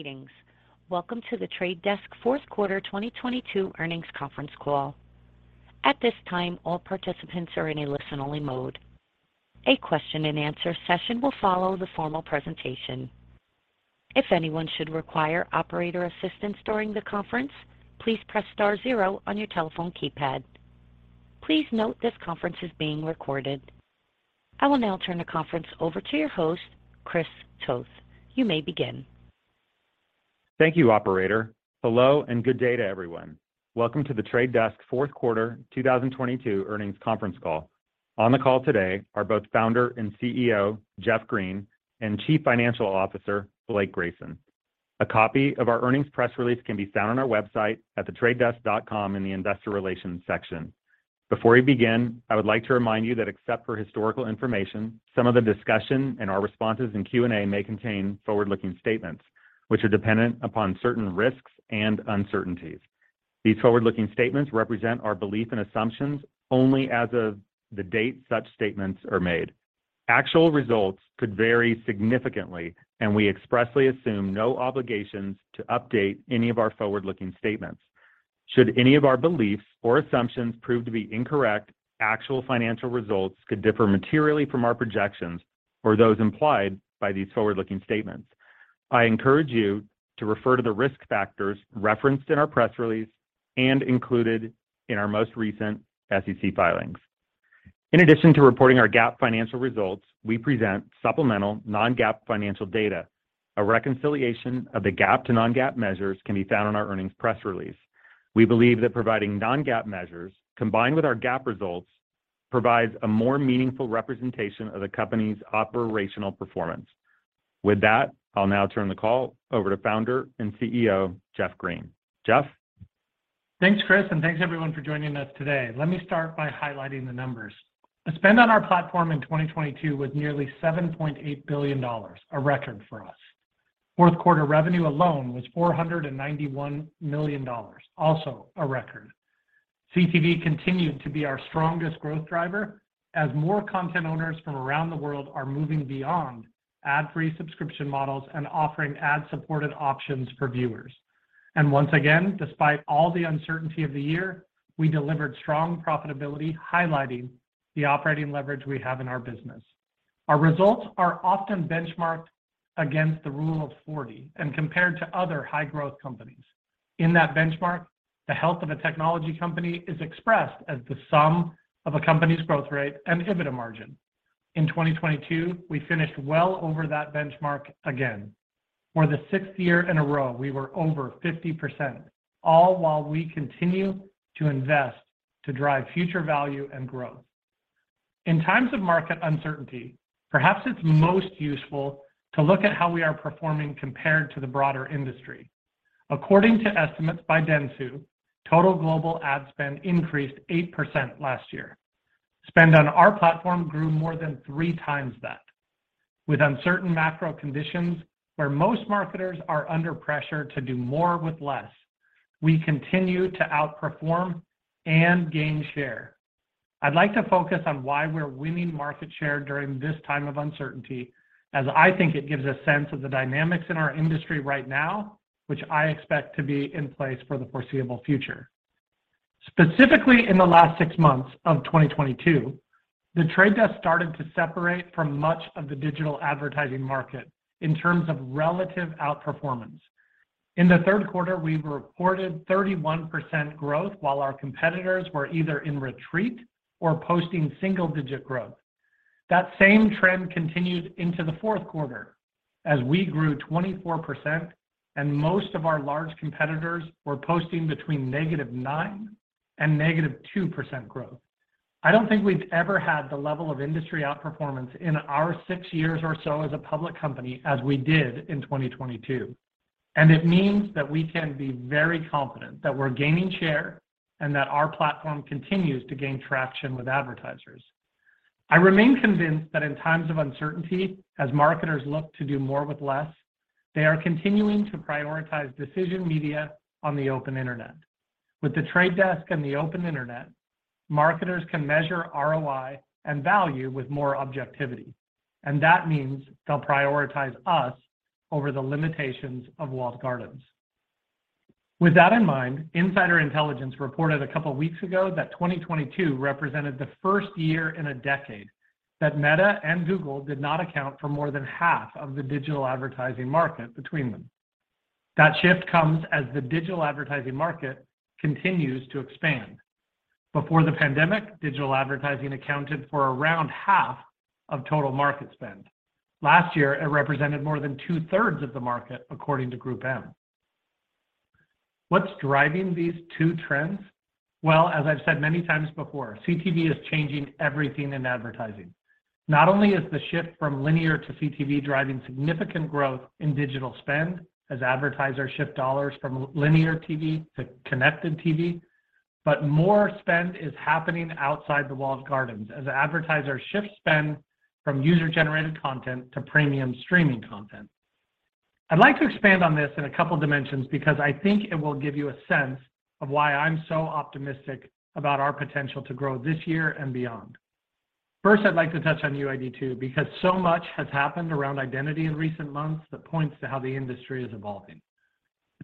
Greetings. Welcome to The Trade Desk Fourth Quarter 2022 Earnings Conference Call. At this time, all participants are in a listen-only mode. A question-and-answer session will follow the formal presentation. If anyone should require operator assistance during the conference, please press star zero on your telephone keypad. Please note this conference is being recorded. I will now turn the conference over to your host, Chris Toth. You may begin. Thank you, operator. Hello, good day to everyone. Welcome to The Trade Desk fourth Quarter 2022 Earnings Conference Call. On the call today are both Founder and CEO Jeff Green, and Chief Financial Officer Blake Grayson. A copy of our earnings press release can be found on our website at thetradedesk.com in the Investor Relations section. Before we begin, I would like to remind you that except for historical information, some of the discussion and our responses in Q&A may contain forward-looking statements, which are dependent upon certain risks and uncertainties. These forward-looking statements represent our belief and assumptions only as of the date such statements are made. Actual results could vary significantly. We expressly assume no obligations to update any of our forward-looking statements. Should any of our beliefs or assumptions prove to be incorrect, actual financial results could differ materially from our projections or those implied by these forward-looking statements. I encourage you to refer to the risk factors referenced in our press release and included in our most recent SEC filings. In addition to reporting our GAAP financial results, we present supplemental non-GAAP financial data. A reconciliation of the GAAP to non-GAAP measures can be found on our earnings press release. We believe that providing non-GAAP measures, combined with our GAAP results, provides a more meaningful representation of the company's operational performance. With that, I'll now turn the call over to founder and CEO, Jeff Green. Jeff? Thanks, Chris. Thanks everyone for joining us today. Let me start by highlighting the numbers. The spend on our platform in 2022 was nearly $7.8 billion, a record for us. Fourth quarter revenue alone was $491 million, also a record. CTV continued to be our strongest growth driver as more content owners from around the world are moving beyond ad-free subscription models and offering ad-supported options for viewers. Once again, despite all the uncertainty of the year, we delivered strong profitability, highlighting the operating leverage we have in our business. Our results are often benchmarked against the Rule of 40 and compared to other high-growth companies. In that benchmark, the health of a technology company is expressed as the sum of a company's growth rate and EBITDA margin. In 2022, we finished well over that benchmark again. For the sixth year in a row, we were over 50%, all while we continue to invest to drive future value and growth. In times of market uncertainty, perhaps it's most useful to look at how we are performing compared to the broader industry. According to estimates by dentsu, total global ad spend increased 8% last year. Spend on our platform grew more than three times that. With uncertain macro conditions where most marketers are under pressure to do more with less, we continue to outperform and gain share. I'd like to focus on why we're winning market share during this time of uncertainty, as I think it gives a sense of the dynamics in our industry right now, which I expect to be in place for the foreseeable future. Specifically in the last six months of 2022, The Trade Desk started to separate from much of the digital advertising market in terms of relative outperformance. In the third quarter, we reported 31% growth while our competitors were either in retreat or posting single-digit growth. That same trend continued into the fourth quarter as we grew 24% and most of our large competitors were posting between -9% and -2% growth. I don't think we've ever had the level of industry outperformance in our six years or so as a public company as we did in 2022, and it means that we can be very confident that we're gaining share and that our platform continues to gain traction with advertisers. I remain convinced that in times of uncertainty, as marketers look to do more with less, they are continuing to prioritize decision media on the open Internet. With The Trade Desk and the open Internet, marketers can measure ROI and value with more objectivity, that means they'll prioritize us over the limitations of walled gardens. With that in mind, Insider Intelligence reported a couple weeks ago that 2022 represented the first year in a decade that Meta and Google did not account for more than 1/2 of the digital advertising market between them. That shift comes as the digital advertising market continues to expand. Before the pandemic, digital advertising accounted for around 1/2 of total market spend. Last year, it represented more than 2/3 of the market, according to GroupM. What's driving these two trends? Well, as I've said many times before, CTV is changing everything in advertising. Not only is the shift from linear to CTV driving significant growth in digital spend as advertisers shift dollars from linear TV to connected TV, but more spend is happening outside the walled gardens as advertisers shift spend from user-generated content to premium streaming content. I'd like to expand on this in a couple dimensions because I think it will give you a sense of why I'm so optimistic about our potential to grow this year and beyond. First, I'd like to touch on UID2 because so much has happened around identity in recent months that points to how the industry is evolving.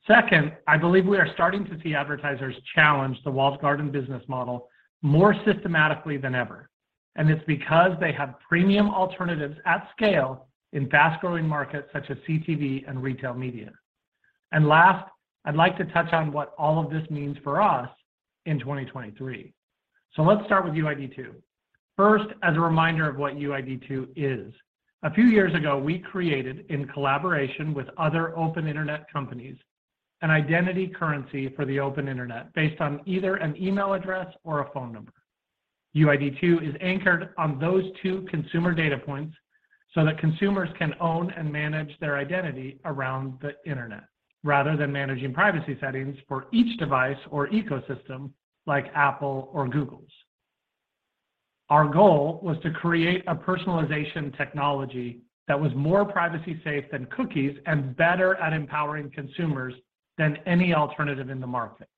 Second, I believe we are starting to see advertisers challenge the walled garden business model more systematically than ever, and it's because they have premium alternatives at scale in fast-growing markets such as CTV and retail media. Last, I'd like to touch on what all of this means for us in 2023. Let's start with UID2. First, as a reminder of what UID2 is. A few years ago, we created, in collaboration with other open internet companies, an identity currency for the open internet based on either an email address or a phone number. UID2 is anchored on those two consumer data points so that consumers can own and manage their identity around the internet, rather than managing privacy settings for each device or ecosystem like Apple or Google's. Our goal was to create a personalization technology that was more privacy-safe than cookies and better at empowering consumers than any alternative in the market.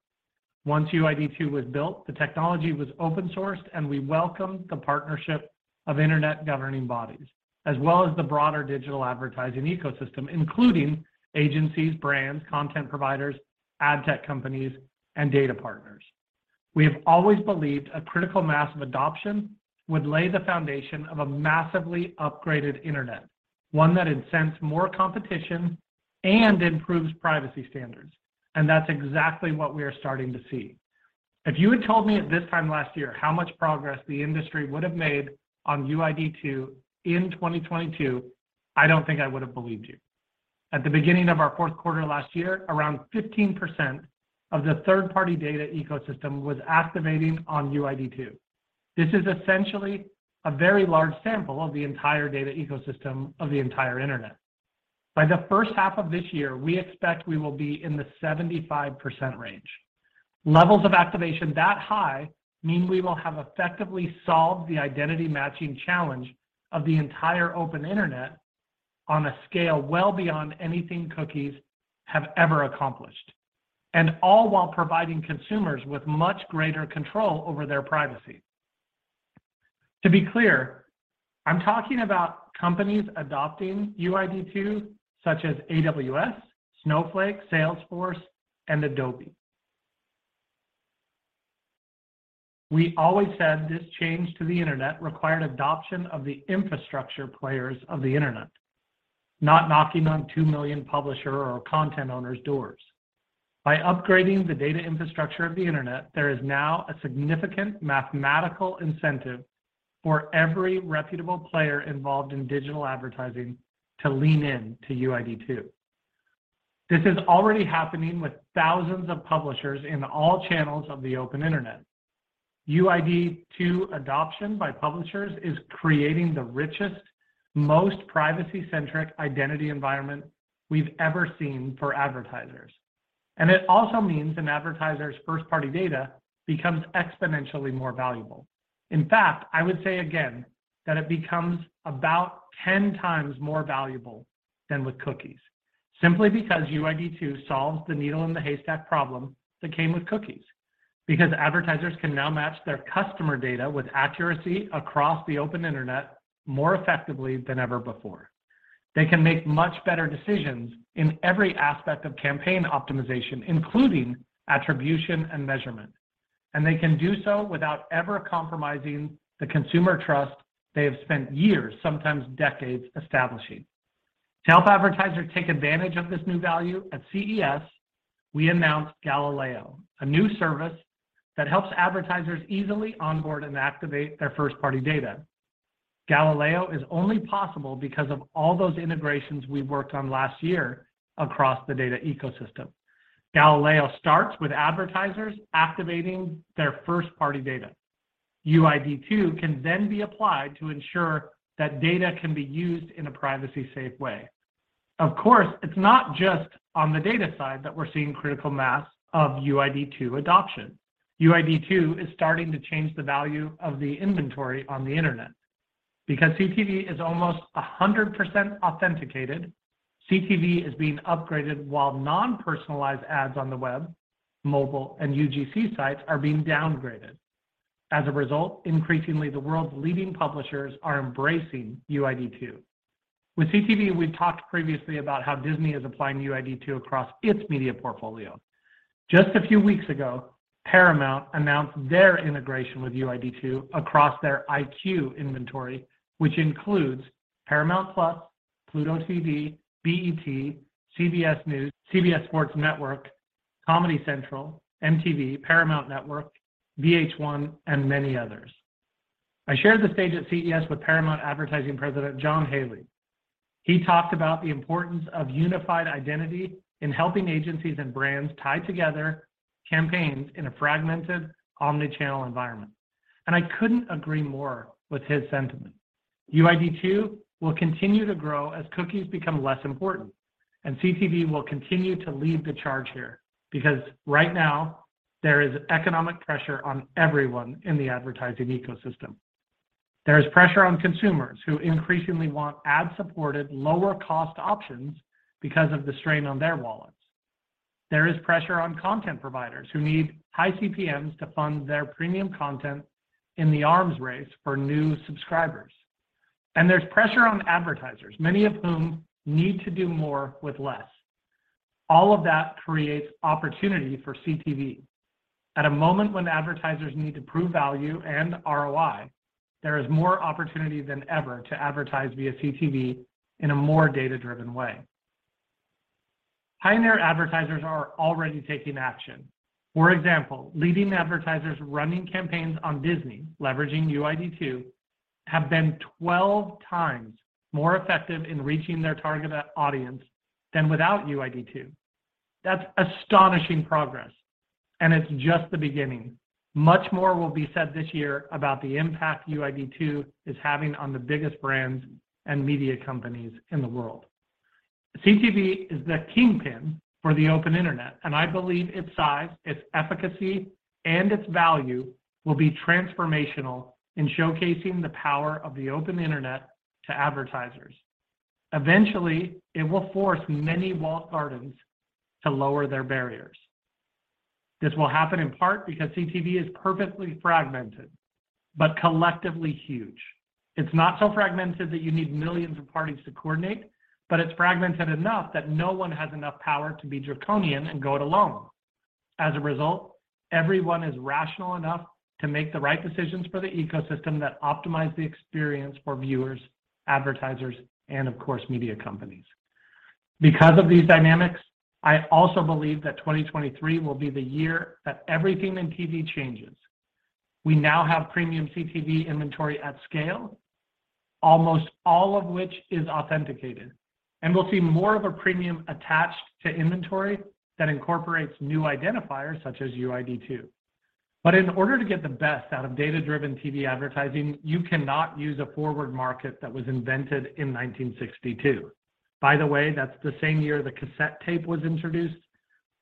Once UID2 was built, the technology was open-sourced, and we welcomed the partnership of internet governing bodies, as well as the broader digital advertising ecosystem, including agencies, brands, content providers, ad tech companies, and data partners. We have always believed a critical mass of adoption would lay the foundation of a massively upgraded internet, one that incents more competition and improves privacy standards. That's exactly what we are starting to see. If you had told me at this time last year how much progress the industry would have made on UID2 in 2022, I don't think I would have believed you. At the beginning of our fourth quarter last year, around 15% of the third-party data ecosystem was activating on UID2. This is essentially a very large sample of the entire data ecosystem of the entire internet. By the first half of this year, we expect we will be in the 75% range. Levels of activation that high mean we will have effectively solved the identity matching challenge of the entire open internet on a scale well beyond anything cookies have ever accomplished, and all while providing consumers with much greater control over their privacy. To be clear, I'm talking about companies adopting UID2, such as AWS, Snowflake, Salesforce, and Adobe. We always said this change to the internet required adoption of the infrastructure players of the internet, not knocking on 2 million publisher or content owners' doors. By upgrading the data infrastructure of the internet, there is now a significant mathematical incentive for every reputable player involved in digital advertising to lean into UID2. This is already happening with thousands of publishers in all channels of the open internet. UID2 adoption by publishers is creating the richest, most privacy-centric identity environment we've ever seen for advertisers. It also means an advertiser's first-party data becomes exponentially more valuable. In fact, I would say again that it becomes about 10 times more valuable than with cookies, simply because UID2 solves the needle in the haystack problem that came with cookies. Advertisers can now match their customer data with accuracy across the open internet more effectively than ever before. They can make much better decisions in every aspect of campaign optimization, including attribution and measurement. They can do so without ever compromising the consumer trust they have spent years, sometimes decades, establishing. To help advertisers take advantage of this new value, at CES, we announced Galileo, a new service that helps advertisers easily onboard and activate their first-party data. Galileo is only possible because of all those integrations we worked on last year across the data ecosystem. Galileo starts with advertisers activating their first-party data. UID2 can then be applied to ensure that data can be used in a privacy-safe way. Of course, it's not just on the data side that we're seeing critical mass of UID2 adoption. UID2 is starting to change the value of the inventory on the internet. Because CTV is almost 100% authenticated, CTV is being upgraded while non-personalized ads on the web, mobile, and UGC sites are being downgraded. As a result, increasingly, the world's leading publishers are embracing UID2. With CTV, we've talked previously about how Disney is applying UID2 across its media portfolio. Just a few weeks ago, Paramount announced their integration with UID2 across their EyeQ inventory, which includes Paramount+, Pluto TV, BET, CBS News, CBS Sports Network, Comedy Central, MTV, Paramount Network, VH1, and many others. I shared the stage at CES with Paramount Advertising President John Halley. He talked about the importance of unified identity in helping agencies and brands tie together campaigns in a fragmented omnichannel environment. I couldn't agree more with his sentiment. UID2 will continue to grow as cookies become less important, and CTV will continue to lead the charge here because right now there is economic pressure on everyone in the advertising ecosystem. There is pressure on consumers who increasingly want ad-supported, lower-cost options because of the strain on their wallets. There is pressure on content providers who need high CPMs to fund their premium content in the arms race for new subscribers. There's pressure on advertisers, many of whom need to do more with less. All of that creates opportunity for CTV. At a moment when advertisers need to prove value and ROI, there is more opportunity than ever to advertise via CTV in a more data-driven way. Pioneer advertisers are already taking action. For example, leading advertisers running campaigns on Disney, leveraging UID2 have been 12 times more effective in reaching their target audience than without UID2. That's astonishing progress, it's just the beginning. Much more will be said this year about the impact UID2 is having on the biggest brands and media companies in the world. CTV is the kingpin for the open internet, I believe its size, its efficacy, and its value will be transformational in showcasing the power of the open internet to advertisers. Eventually, it will force many walled gardens to lower their barriers. This will happen in part because CTV is perfectly fragmented, but collectively huge. It's not so fragmented that you need millions of parties to coordinate, but it's fragmented enough that no one has enough power to be draconian and go it alone. As a result, everyone is rational enough to make the right decisions for the ecosystem that optimize the experience for viewers, advertisers, and of course, media companies. Because of these dynamics, I also believe that 2023 will be the year that everything in TV changes. We now have premium CTV inventory at scale, almost all of which is authenticated, and we'll see more of a premium attached to inventory that incorporates new identifiers such as UID2. In order to get the best out of data-driven TV advertising, you cannot use a forward market that was invented in 1962. By the way, that's the same year the cassette tape was introduced.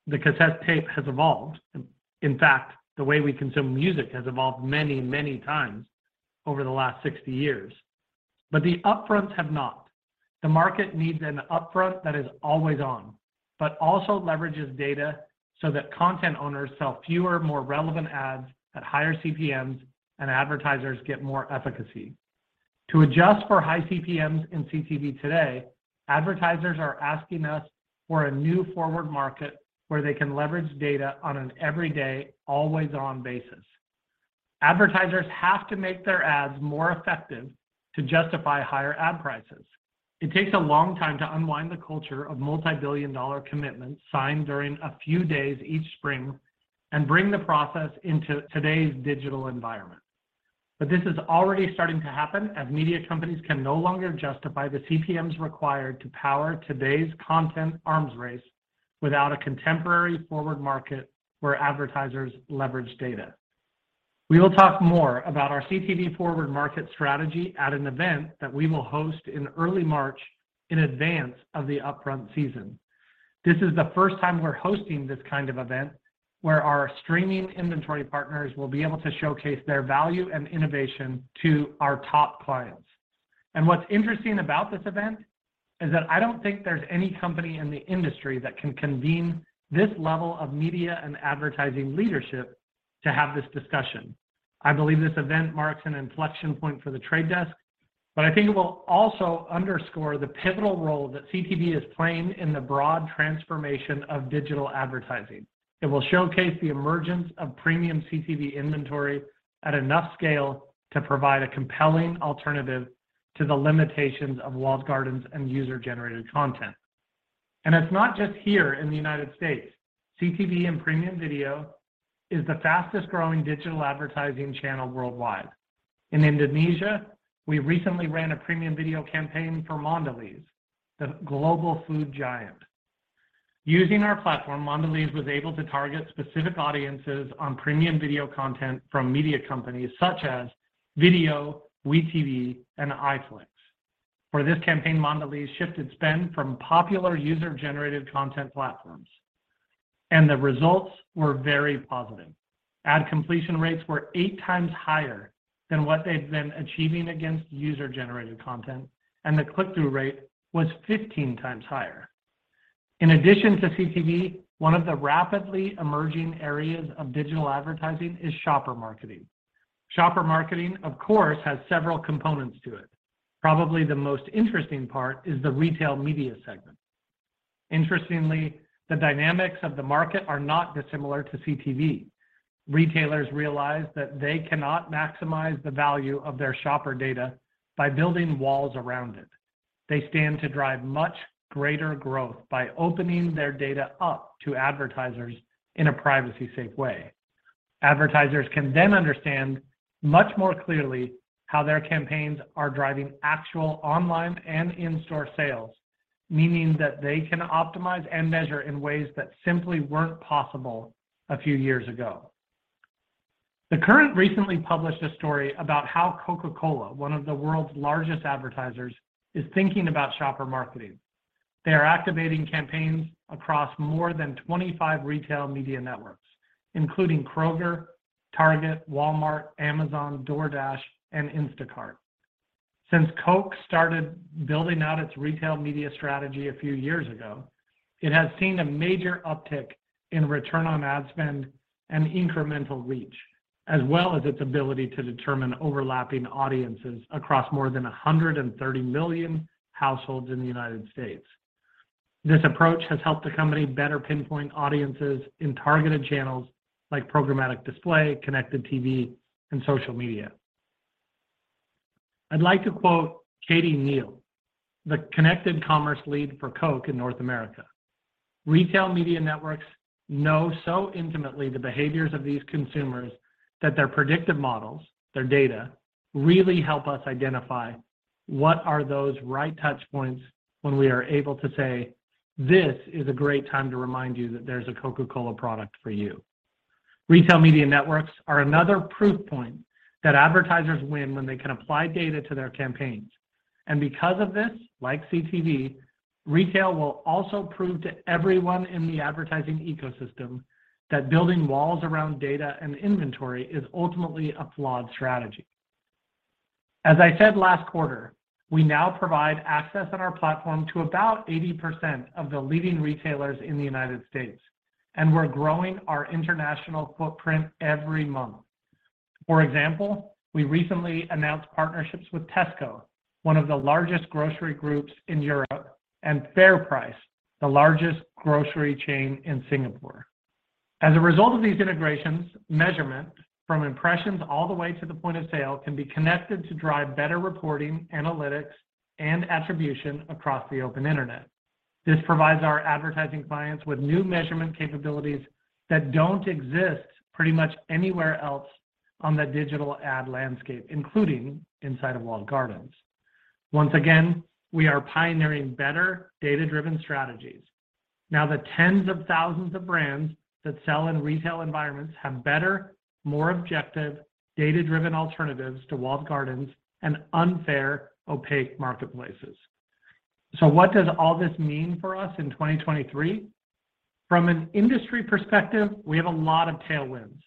The cassette tape has evolved. In fact, the way we consume music has evolved many, many times over the last 60 years. The upfronts have not. The market needs an upfront that is always on, but also leverages data so that content owners sell fewer, more relevant ads at higher CPMs and advertisers get more efficacy. To adjust for high CPMs in CTV today, advertisers are asking us for a new forward market where they can leverage data on an everyday, always-on basis. Advertisers have to make their ads more effective to justify higher ad prices. It takes a long time to unwind the culture of multibillion-dollar commitments signed during a few days each spring and bring the process into today's digital environment. This is already starting to happen as media companies can no longer justify the CPMs required to power today's content arms race without a contemporary forward market where advertisers leverage data. We will talk more about our CTV forward market strategy at an event that we will host in early March in advance of the upfront season. This is the first time we're hosting this kind of event where our streaming inventory partners will be able to showcase their value and innovation to our top clients. What's interesting about this event is that I don't think there's any company in the industry that can convene this level of media and advertising leadership to have this discussion. I believe this event marks an inflection point for The Trade Desk, but I think it will also underscore the pivotal role that CTV is playing in the broad transformation of digital advertising. It will showcase the emergence of premium CTV inventory at enough scale to provide a compelling alternative to the limitations of walled gardens and user-generated content. It's not just here in the United States. CTV and premium video is the fastest-growing digital advertising channel worldwide. In Indonesia, we recently ran a premium video campaign for Mondelēz, the global food giant. Using our platform, Mondelēz was able to target specific audiences on premium video content from media companies such as Viu, WeTV, and iflix. For this campaign, Mondelēz shifted spend from popular user-generated content platforms. The results were very positive. Ad completion rates were eight times higher than what they'd been achieving against user-generated content. The click-through rate was 15 times higher. In addition to CTV, one of the rapidly emerging areas of digital advertising is shopper marketing. Shopper marketing, of course, has several components to it. Probably the most interesting part is the retail media segment. Interestingly, the dynamics of the market are not dissimilar to CTV. Retailers realize that they cannot maximize the value of their shopper data by building walls around it. They stand to drive much greater growth by opening their data up to advertisers in a privacy-safe way. Advertisers can then understand much more clearly how their campaigns are driving actual online and in-store sales, meaning that they can optimize and measure in ways that simply weren't possible a few years ago. The Current recently published a story about how Coca-Cola, one of the world's largest advertisers, is thinking about shopper marketing. They are activating campaigns across more than 25 retail media networks, including Kroger, Target, Walmart, Amazon, DoorDash, and Instacart. Since Coke started building out its retail media strategy a few years ago, it has seen a major uptick in return on ad spend and incremental reach, as well as its ability to determine overlapping audiences across more than 130 million households in the United States. This approach has helped the company better pinpoint audiences in targeted channels like programmatic display, connected TV, and social media. I'd like to quote Katie Neil, the Connected Commerce Lead for Coke in North America. "Retail media networks know so intimately the behaviors of these consumers that their predictive models, their data, really help us identify what are those right touch points when we are able to say, 'This is a great time to remind you that there's a Coca-Cola product for you.'" Retail media networks are another proof point that advertisers win when they can apply data to their campaigns. Because of this, like CTV, retail will also prove to everyone in the advertising ecosystem that building walls around data and inventory is ultimately a flawed strategy. As I said last quarter, we now provide access on our platform to about 80% of the leading retailers in the United States, and we're growing our international footprint every month. For example, we recently announced partnerships with Tesco, one of the largest grocery groups in Europe, and FairPrice, the largest grocery chain in Singapore. As a result of these integrations, measurement from impressions all the way to the point of sale can be connected to drive better reporting, analytics, and attribution across the open internet. This provides our advertising clients with new measurement capabilities that don't exist pretty much anywhere else on the digital ad landscape, including inside of walled gardens. Once again, we are pioneering better data-driven strategies. Now the tens of thousands of brands that sell in retail environments have better, more objective, data-driven alternatives to walled gardens and unfair, opaque marketplaces. What does all this mean for us in 2023? From an industry perspective, we have a lot of tailwinds.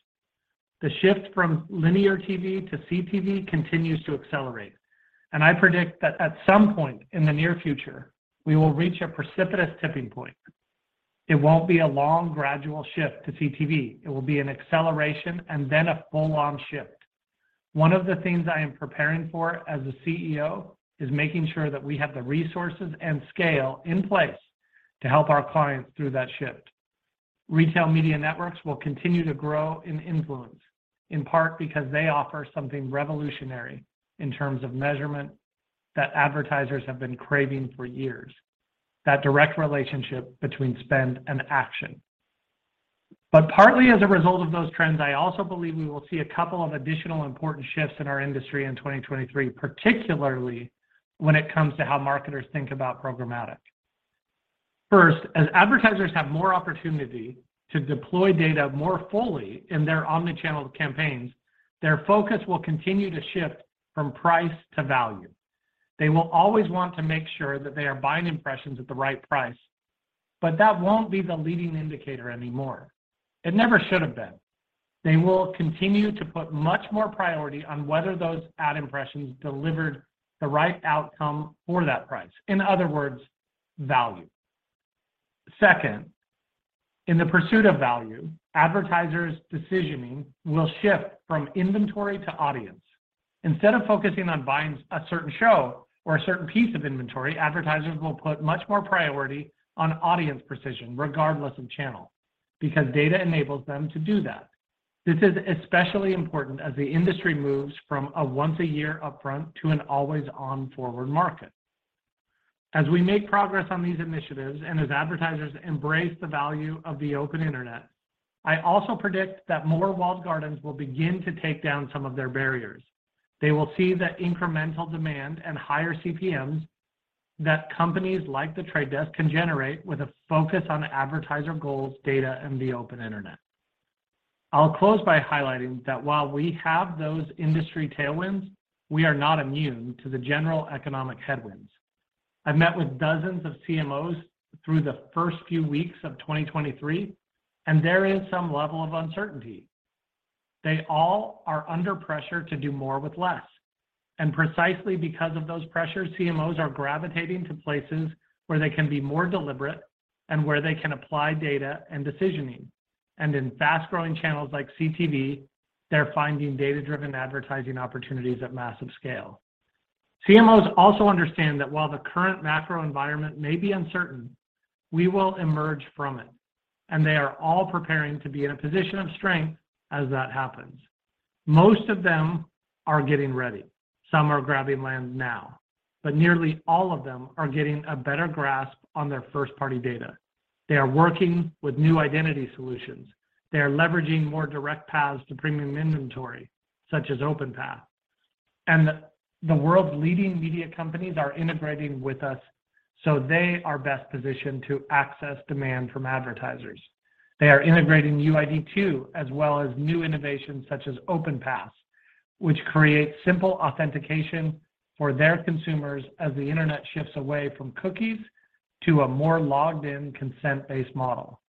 The shift from linear TV to CTV continues to accelerate. I predict that at some point in the near future, we will reach a precipitous tipping point. It won't be a long, gradual shift to CTV. It will be an acceleration and then a full-on shift. One of the things I am preparing for as a CEO is making sure that we have the resources and scale in place to help our clients through that shift. Retail media networks will continue to grow in influence, in part because they offer something revolutionary in terms of measurement that advertisers have been craving for years, that direct relationship between spend and action. Partly as a result of those trends, I also believe we will see a couple of additional important shifts in our industry in 2023, particularly when it comes to how marketers think about programmatic. First, as advertisers have more opportunity to deploy data more fully in their omnichannel campaigns, their focus will continue to shift from price to value. They will always want to make sure that they are buying impressions at the right price, but that won't be the leading indicator anymore. It never should have been. They will continue to put much more priority on whether those ad impressions delivered the right outcome for that price. In other words, value. Second, in the pursuit of value, advertisers' decisioning will shift from inventory to audience. Instead of focusing on buying a certain show or a certain piece of inventory, advertisers will put much more priority on audience precision regardless of channel because data enables them to do that. This is especially important as the industry moves from a once-a-year upfront to an always-on forward market. As we make progress on these initiatives and as advertisers embrace the value of the open internet, I also predict that more walled gardens will begin to take down some of their barriers. They will see the incremental demand and higher CPMs that companies like The Trade Desk can generate with a focus on advertiser goals, data, and the open internet. I'll close by highlighting that while we have those industry tailwinds, we are not immune to the general economic headwinds. I've met with dozens of CMOs through the first few weeks of 2023. There is some level of uncertainty. They all are under pressure to do more with less. Precisely because of those pressures, CMOs are gravitating to places where they can be more deliberate and where they can apply data and decisioning. In fast-growing channels like CTV, they're finding data-driven advertising opportunities at massive scale. CMOs also understand that while the current macro environment may be uncertain, we will emerge from it. They are all preparing to be in a position of strength as that happens. Most of them are getting ready. Some are grabbing land now. Nearly all of them are getting a better grasp on their first-party data. They are working with new identity solutions. They are leveraging more direct paths to premium inventory such as OpenPath. The world's leading media companies are integrating with us. They are best positioned to access demand from advertisers. They are integrating UID2 as well as new innovations such as OpenPass, which creates simple authentication for their consumers as the internet shifts away from cookies to a more logged-in, consent-based model.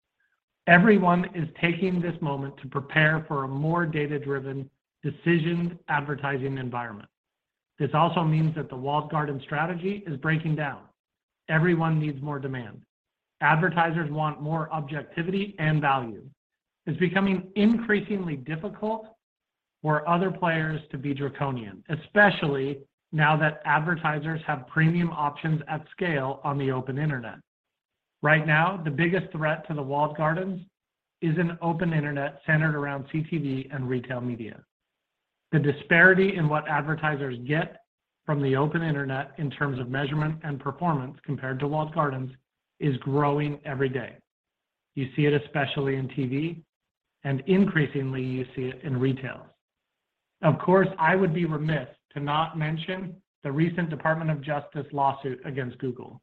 Everyone is taking this moment to prepare for a more data-driven decisioned advertising environment. This also means that the walled garden strategy is breaking down. Everyone needs more demand. Advertisers want more objectivity and value. It's becoming increasingly difficult for other players to be draconian, especially now that advertisers have premium options at scale on the open internet. Right now, the biggest threat to the walled gardens is an open internet centered around CTV and retail media. The disparity in what advertisers get from the open internet in terms of measurement and performance compared to walled gardens is growing every day. You see it especially in TV, and increasingly you see it in retail. Of course, I would be remiss to not mention the recent Department of Justice lawsuit against Google.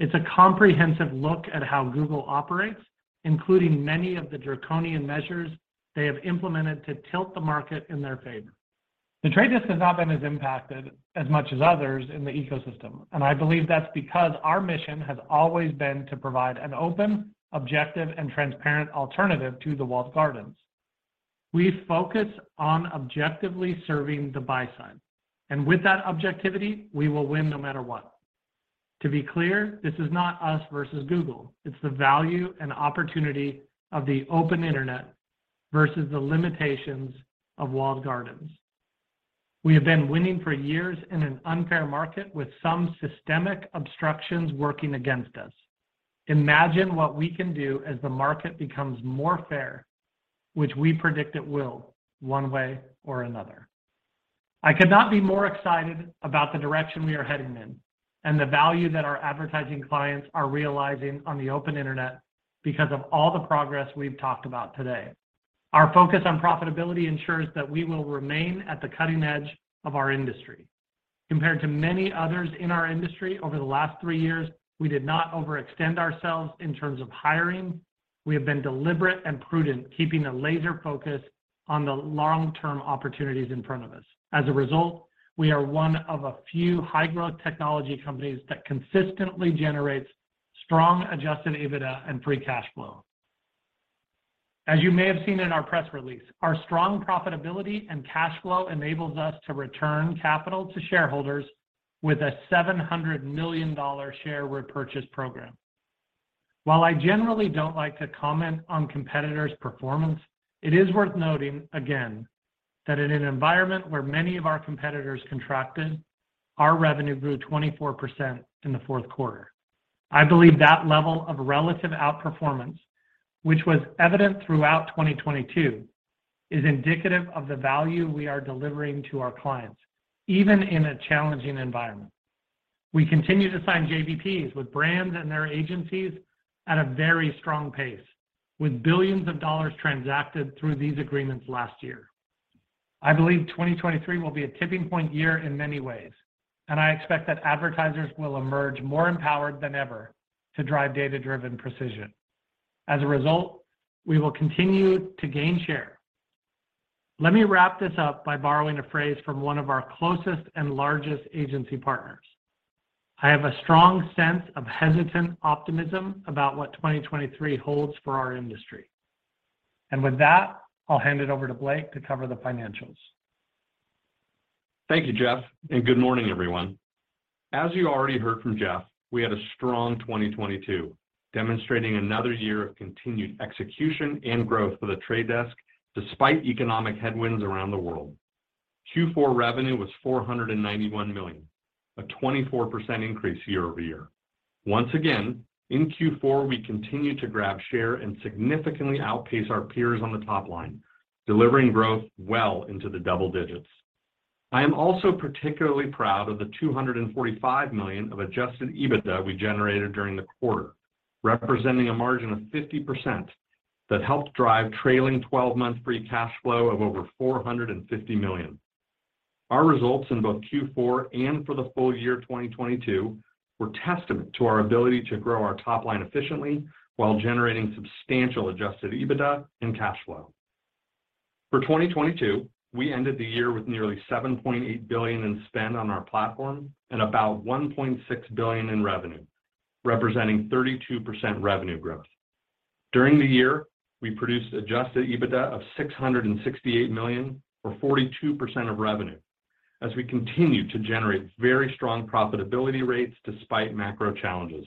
It's a comprehensive look at how Google operates, including many of the draconian measures they have implemented to tilt the market in their favor. The Trade Desk has not been as impacted as much as others in the ecosystem, and I believe that's because our mission has always been to provide an open, objective, and transparent alternative to the walled gardens. We focus on objectively serving the buy side, and with that objectivity, we will win no matter what. To be clear, this is not us versus Google. It's the value and opportunity of the open internet versus the limitations of walled gardens. We have been winning for years in an unfair market with some systemic obstructions working against us. Imagine what we can do as the market becomes more fair, which we predict it will, one way or another. I could not be more excited about the direction we are heading in and the value that our advertising clients are realizing on the open internet because of all the progress we've talked about today. Our focus on profitability ensures that we will remain at the cutting edge of our industry. Compared to many others in our industry over the last three years, we did not overextend ourselves in terms of hiring. We have been deliberate and prudent, keeping a laser focus on the long-term opportunities in front of us. As a result, we are one of a few high-growth technology companies that consistently generates strong adjusted EBITDA and free cash flow. As you may have seen in our press release, our strong profitability and cash flow enables us to return capital to shareholders with a $700 million share repurchase program. While I generally don't like to comment on competitors' performance, it is worth noting again that in an environment where many of our competitors contracted, our revenue grew 24% in the fourth quarter. I believe that level of relative outperformance, which was evident throughout 2022, is indicative of the value we are delivering to our clients, even in a challenging environment. We continue to sign JBPs with brands and their agencies at a very strong pace, with billions of dollars transacted through these agreements last year. I believe 2023 will be a tipping point year in many ways. I expect that advertisers will emerge more empowered than ever to drive data-driven precision. As a result, we will continue to gain share. Let me wrap this up by borrowing a phrase from one of our closest and largest agency partners. "I have a strong sense of hesitant optimism about what 2023 holds for our industry." With that, I'll hand it over to Blake to cover the financials. Thank you, Jeff, and good morning, everyone. As you already heard from Jeff, we had a strong 2022, demonstrating another year of continued execution and growth for The Trade Desk despite economic headwinds around the world. Q4 revenue was $491 million, a 24% increase year-over-year. Once again, in Q4, we continued to grab share and significantly outpace our peers on the top line, delivering growth well into the double digits. I am also particularly proud of the $245 million of adjusted EBITDA we generated during the quarter, representing a margin of 50% that helped drive trailing twelve-month free cash flow of over $450 million. Our results in both Q4 and for the full year 2022 were testament to our ability to grow our top line efficiently while generating substantial adjusted EBITDA and cash flow. For 2022, we ended the year with nearly $7.8 billion in spend on our platform and about $1.6 billion in revenue, representing 32% revenue growth. During the year, we produced adjusted EBITDA of $668 million, or 42% of revenue, as we continued to generate very strong profitability rates despite macro challenges.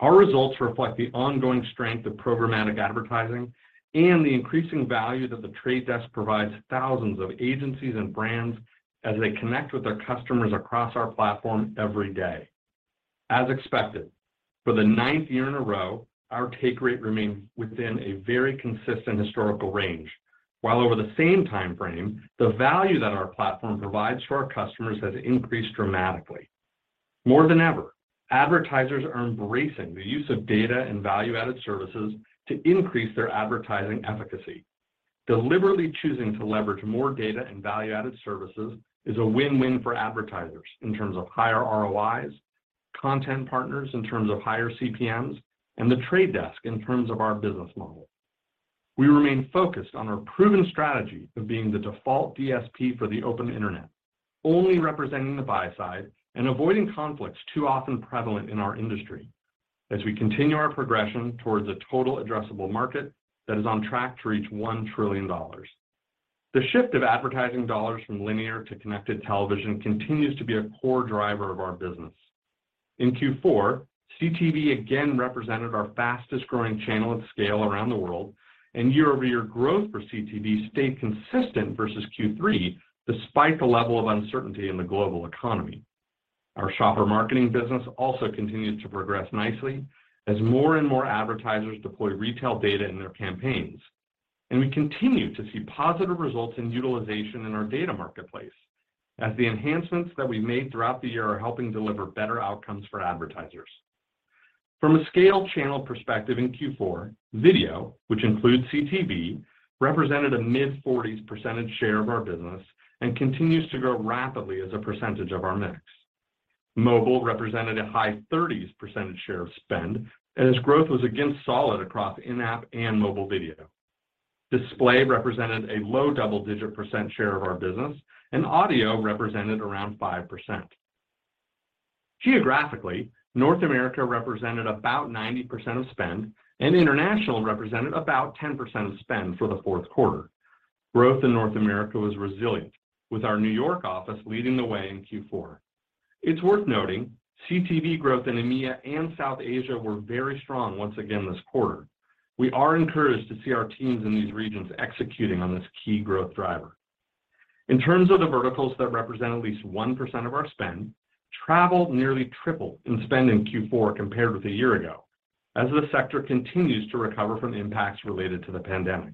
Our results reflect the ongoing strength of programmatic advertising and the increasing value that The Trade Desk provides thousands of agencies and brands as they connect with their customers across our platform every day. As expected, for the ninth year in a row, our take rate remained within a very consistent historical range, while over the same time frame, the value that our platform provides to our customers has increased dramatically. More than ever, advertisers are embracing the use of data and value-added services to increase their advertising efficacy. Deliberately choosing to leverage more data and value-added services is a win-win for advertisers in terms of higher ROIs, content partners in terms of higher CPMs, and The Trade Desk in terms of our business model. We remain focused on our proven strategy of being the default DSP for the open internet, only representing the buy side and avoiding conflicts too often prevalent in our industry as we continue our progression towards a total addressable market that is on track to reach $1 trillion. The shift of advertising dollars from linear to connected television continues to be a core driver of our business. In Q4, CTV again represented our fastest-growing channel at scale around the world, and year-over-year growth for CTV stayed consistent versus Q3 despite the level of uncertainty in the global economy. Our shopper marketing business also continued to progress nicely as more and more advertisers deploy retail data in their campaigns. We continue to see positive results in utilization in our data marketplace as the enhancements that we made throughout the year are helping deliver better outcomes for advertisers. From a scale channel perspective in Q4, video, which includes CTV, represented a mid-40s % share of our business and continues to grow rapidly as a percentage of our mix. Mobile represented a high 30s % share of spend, and its growth was again solid across in-app and mobile video. Display represented a low double-digit % share of our business, and audio represented around 5%. Geographically, North America represented about 90% of spend, and international represented about 10% of spend for the fourth quarter. Growth in North America was resilient, with our New York office leading the way in Q4. It's worth noting CTV growth in EMEA and South Asia were very strong once again this quarter. We are encouraged to see our teams in these regions executing on this key growth driver. In terms of the verticals that represent at least 1% of our spend, travel nearly tripled in spend in Q4 compared with a year ago as the sector continues to recover from impacts related to the pandemic.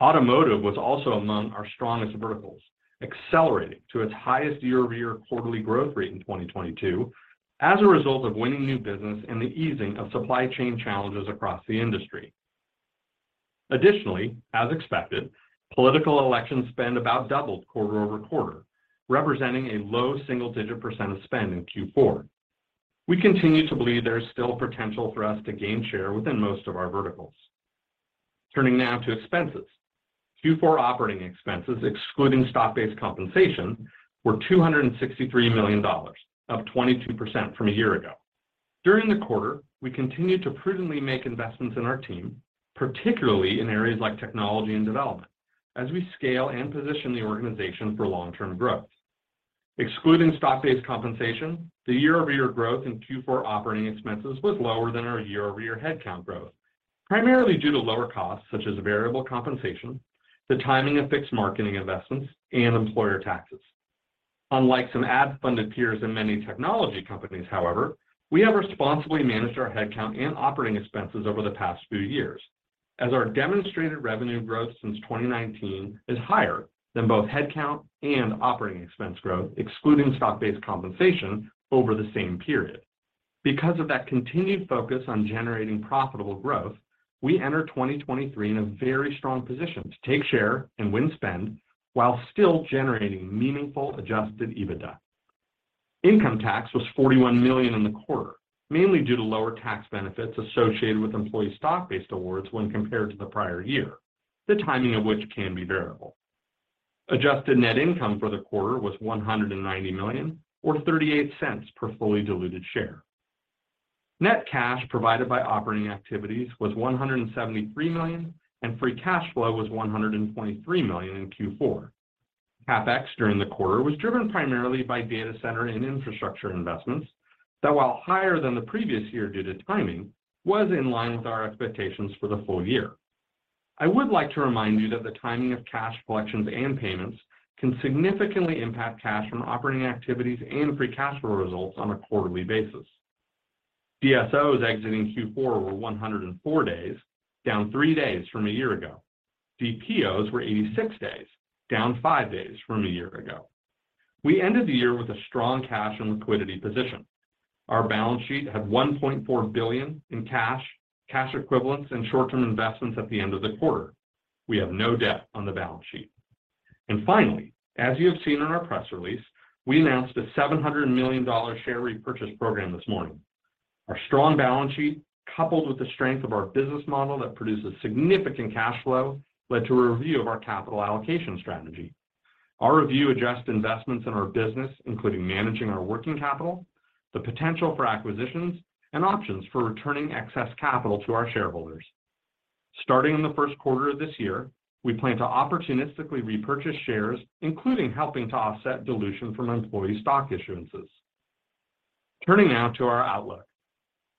Automotive was also among our strongest verticals, accelerating to its highest year-over-year quarterly growth rate in 2022 as a result of winning new business and the easing of supply chain challenges across the industry. As expected, political election spend about doubled quarter-over-quarter, representing a low single-digit percentage of spend in Q4. We continue to believe there is still potential for us to gain share within most of our verticals. Turning now to expenses. Q4 operating expenses, excluding stock-based compensation, were $263 million, up 22% from a year ago. During the quarter, we continued to prudently make investments in our team, particularly in areas like technology and development as we scale and position the organization for long-term growth. Excluding stock-based compensation, the year-over-year growth in Q4 operating expenses was lower than our year-over-year headcount growth, primarily due to lower costs such as variable compensation, the timing of fixed marketing investments, and employer taxes. Unlike some ad-funded peers and many technology companies, however, we have responsibly managed our headcount and operating expenses over the past few years as our demonstrated revenue growth since 2019 is higher than both headcount and operating expense growth, excluding stock-based compensation over the same period. Because of that continued focus on generating profitable growth, we enter 2023 in a very strong position to take share and win spend while still generating meaningful adjusted EBITDA. Income tax was $41 million in the quarter, mainly due to lower tax benefits associated with employee stock-based awards when compared to the prior year, the timing of which can be variable. Adjusted net income for the quarter was $190 million or $0.38 per fully diluted share. Net cash provided by operating activities was $173 million. Free cash flow was $123 million in Q4. CapEx during the quarter was driven primarily by data center and infrastructure investments that, while higher than the previous year due to timing, was in line with our expectations for the full year. I would like to remind you that the timing of cash collections and payments can significantly impact cash from operating activities and free cash flow results on a quarterly basis. DSOs exiting Q4 were 104 days, down three days from a year ago. DPOs were 86 days, down five days from a year ago. We ended the year with a strong cash and liquidity position. Our balance sheet had $1.4 billion in cash equivalents, and short-term investments at the end of the quarter. We have no debt on the balance sheet. Finally, as you have seen in our press release, we announced a $700 million share repurchase program this morning. Our strong balance sheet, coupled with the strength of our business model that produces significant cash flow, led to a review of our capital allocation strategy. Our review addressed investments in our business, including managing our working capital, the potential for acquisitions, and options for returning excess capital to our shareholders. Starting in the first quarter of this year, we plan to opportunistically repurchase shares, including helping to offset dilution from employee stock issuances. Turning now to our outlook.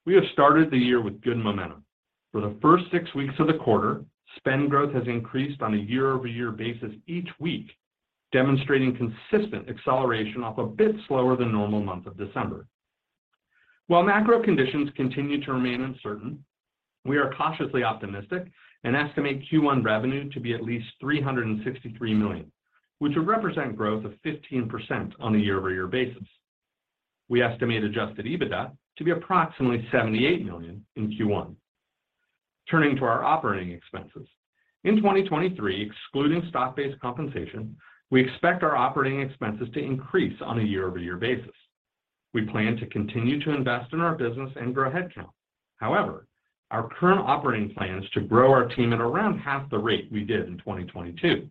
We have started the year with good momentum. For the first six weeks of the quarter, spend growth has increased on a year-over-year basis each week, demonstrating consistent acceleration off a bit slower than normal month of December. While macro conditions continue to remain uncertain, we are cautiously optimistic and estimate Q1 revenue to be at least $363 million, which would represent growth of 15% on a year-over-year basis. We estimate adjusted EBITDA to be approximately $78 million in Q1. Turning to our operating expenses. In 2023, excluding stock-based compensation, we expect our operating expenses to increase on a year-over-year basis. We plan to continue to invest in our business and grow headcount. Our current operating plan is to grow our team at around half the rate we did in 2022.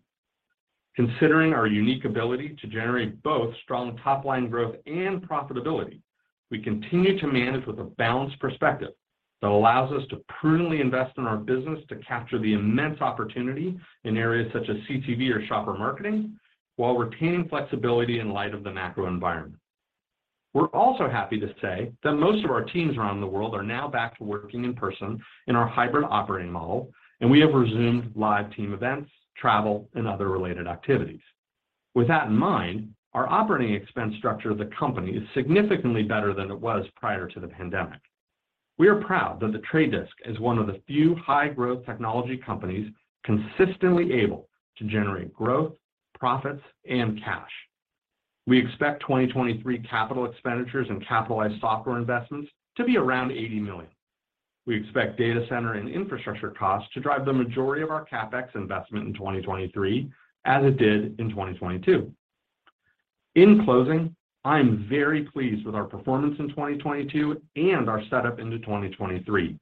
Considering our unique ability to generate both strong top-line growth and profitability, we continue to manage with a balanced perspective that allows us to prudently invest in our business to capture the immense opportunity in areas such as CTV or shopper marketing while retaining flexibility in light of the macro environment. We're also happy to say that most of our teams around the world are now back to working in person in our hybrid operating model, and we have resumed live team events, travel, and other related activities. With that in mind, our operating expense structure of the company is significantly better than it was prior to the pandemic. We are proud that The Trade Desk is one of the few high-growth technology companies consistently able to generate growth, profits, and cash. We expect 2023 capital expenditures and capitalized software investments to be around $80 million. We expect data center and infrastructure costs to drive the majority of our CapEx investment in 2023, as it did in 2022. In closing, I am very pleased with our performance in 2022 and our setup into 2023.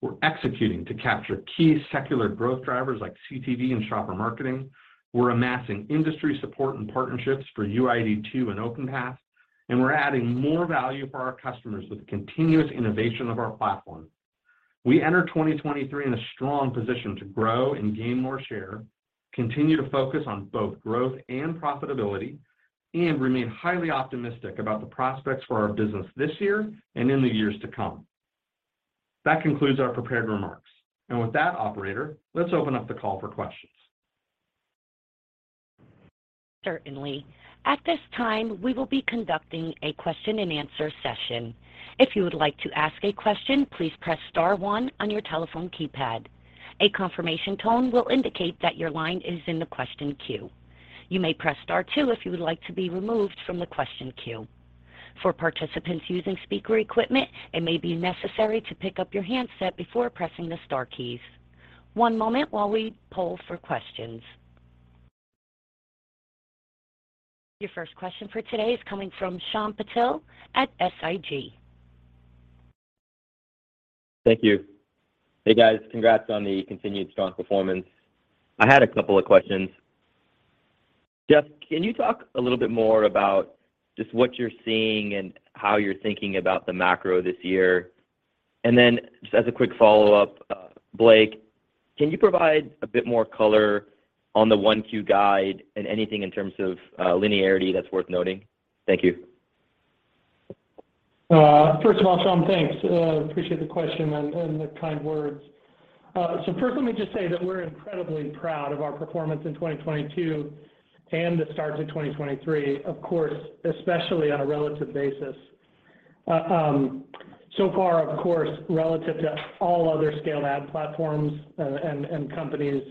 We're executing to capture key secular growth drivers like CTV and shopper marketing. We're amassing industry support and partnerships for UID2 and OpenPath, and we're adding more value for our customers with continuous innovation of our platform. We enter 2023 in a strong position to grow and gain more share, continue to focus on both growth and profitability, and remain highly optimistic about the prospects for our business this year and in the years to come. That concludes our prepared remarks. With that, operator, let's open up the call for questions. Certainly. At this time, we will be conducting a question-and-answer session. If you would like to ask a question, please press star one on your telephone keypad. A confirmation tone will indicate that your line is in the question queue. You may press star two if you would like to be removed from the question queue. For participants using speaker equipment, it may be necessary to pick up your handset before pressing the star keys. One moment while we poll for questions. Your first question for today is coming from Shyam Patil at SIG. Thank you. Hey, guys. Congrats on the continued strong performance. I had a couple of questions. Jeff, can you talk a little bit more about just what you're seeing and how you're thinking about the macro this year? Just as a quick follow-up, Blake, can you provide a bit more color on the 1Q guide and anything in terms of linearity that's worth noting? Thank you. First of all, Shyam, thanks. Appreciate the question and the kind words. First let me just say that we're incredibly proud of our performance in 2022 and the start to 2023, of course, especially on a relative basis. So far, of course, relative to all other scaled ad platforms, and companies,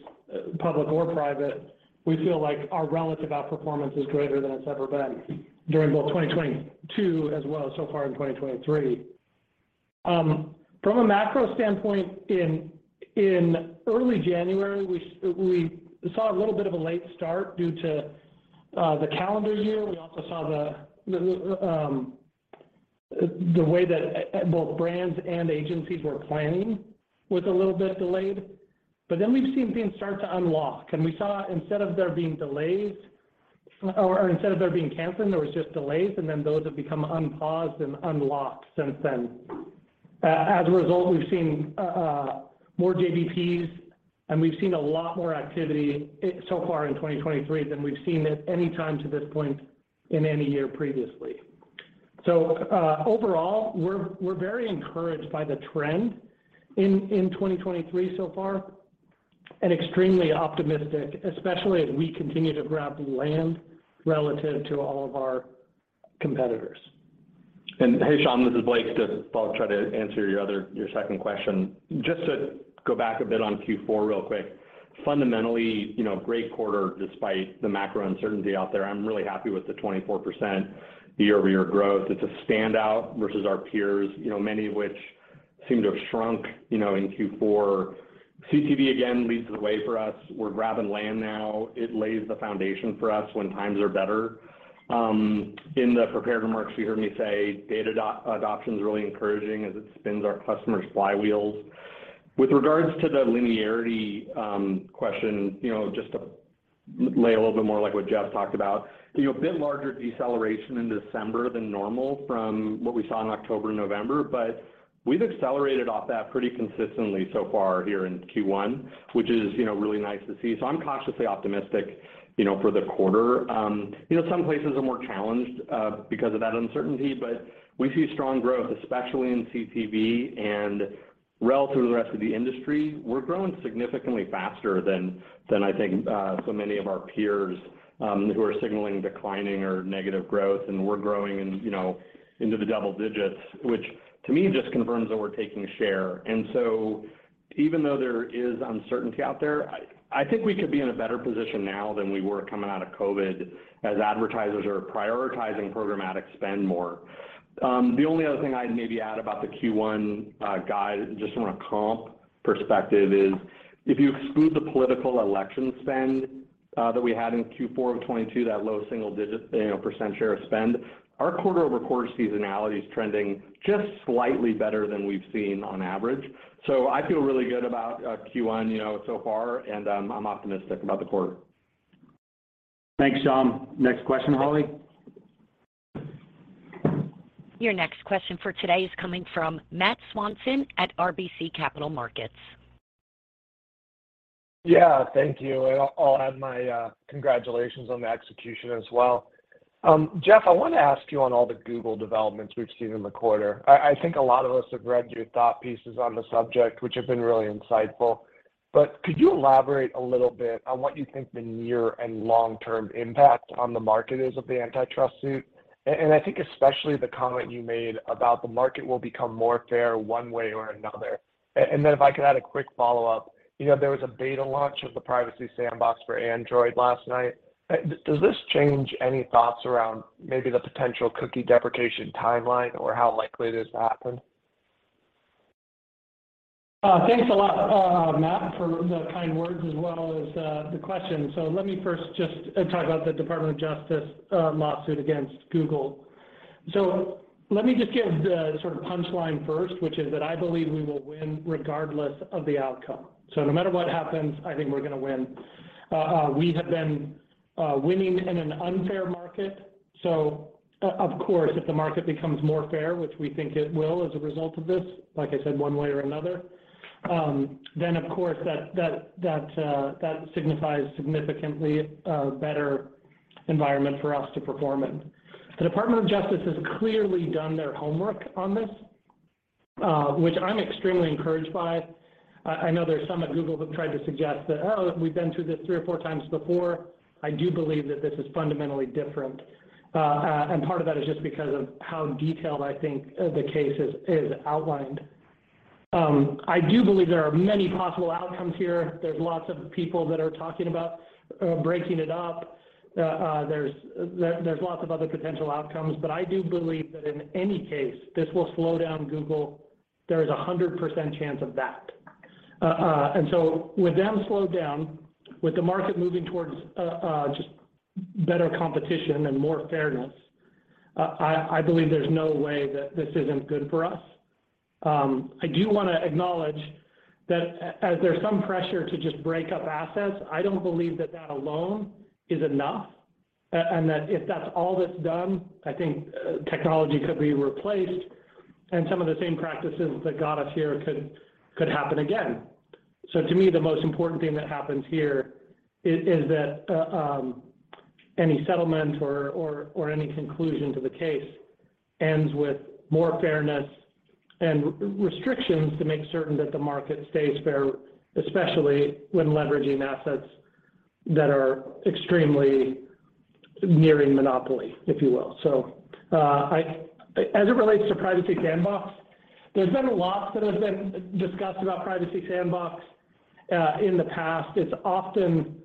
public or private, we feel like our relative outperformance is greater than it's ever been during both 2022 as well so far in 2023. From a macro standpoint, in early January, we saw a little bit of a late start due to the calendar year. We also saw the way that both brands and agencies were planning was a little bit delayed. We've seen things start to unlock, and we saw instead of there being delays, or instead of there being canceled, there was just delays, and then those have become unpaused and unlocked since then. As a result, we've seen more JBPs, and we've seen a lot more activity so far in 2023 than we've seen at any time to this point in any year previously. Overall, we're very encouraged by the trend in 2023 so far and extremely optimistic, especially as we continue to grab land relative to all of our competitors. Hey, Shyam, this is Blake. I'll try to answer your second question. To go back a bit on Q4 real quick. Fundamentally, you know, great quarter despite the macro uncertainty out there. I'm really happy with the 24% year-over-year growth. It's a standout versus our peers, you know, many of which seem to have shrunk, you know, in Q4. CTV again leads the way for us. We're grabbing land now. It lays the foundation for us when times are better. In the prepared remarks, you heard me say data adoption is really encouraging as it spins our customers' flywheels. With regards to the linearity, question, you know, just to lay a little bit more like what Jeff talked about, you know, a bit larger deceleration in December than normal from what we saw in October and November, but we've accelerated off that pretty consistently so far here in Q1, which is, you know, really nice to see. I'm cautiously optimistic, you know, for the quarter. You know, some places are more challenged because of that uncertainty, but we see strong growth, especially in CTV. Relative to the rest of the industry, we're growing significantly faster than I think so many of our peers who are signaling declining or negative growth, and we're growing in, you know, into the double digits, which to me just confirms that we're taking share. even though there is uncertainty out there, I think we could be in a better position now than we were coming out of COVID, as advertisers are prioritizing programmatic spend more. The only other thing I'd maybe add about the Q1 guide, just from a comp perspective, is if you exclude the political election spend that we had in Q4 of 2022, that low single-digit, you know, percent share of spend. Our quarter-over-quarter seasonality is trending just slightly better than we've seen on average. I feel really good about Q1, you know, so far, and I'm optimistic about the quarter. Thanks, John. Next question, Holly. Your next question for today is coming from Matt Swanson at RBC Capital Markets. Yeah. Thank you. I'll add my congratulations on the execution as well. Jeff, I wanna ask you on all the Google developments we've seen in the quarter. I think a lot of us have read your thought pieces on the subject, which have been really insightful. Could you elaborate a little bit on what you think the near and long-term impact on the market is of the antitrust suit? I think especially the comment you made about the market will become more fair one way or another. If I could add a quick follow-up. You know, there was a beta launch of the Privacy Sandbox for Android last night. Does this change any thoughts around maybe the potential cookie deprecation timeline or how likely it is to happen? Thanks a lot, Matt, for the kind words as well as the question. Let me first just talk about the Department of Justice lawsuit against Google. Let me just give the sort of punchline first, which is that I believe we will win regardless of the outcome. No matter what happens, I think we're gonna win. We have been winning in an unfair market, so of course, if the market becomes more fair, which we think it will as a result of this, like I said, one way or another, then of course that signifies significantly a better environment for us to perform in. The Department of Justice has clearly done their homework on this, which I'm extremely encouraged by. I know there's some at Google have tried to suggest that, "Oh, we've been through this three or four times before." I do believe that this is fundamentally different. Part of that is just because of how detailed I think the case is outlined. I do believe there are many possible outcomes here. There's lots of people that are talking about breaking it up. There's lots of other potential outcomes. I do believe that in any case, this will slow down Google. There is a 100% chance of that. With them slowed down, with the market moving towards just better competition and more fairness, I believe there's no way that this isn't good for us. I do wanna acknowledge that as there's some pressure to just break up assets, I don't believe that that alone is enough. That if that's all that's done, I think technology could be replaced, and some of the same practices that got us here could happen again. To me, the most important thing that happens here is that any settlement or any conclusion to the case ends with more fairness and restrictions to make certain that the market stays fair, especially when leveraging assets that are extremely nearing monopoly, if you will. As it relates to Privacy Sandbox, there's been a lot that has been discussed about Privacy Sandbox in the past. It's often,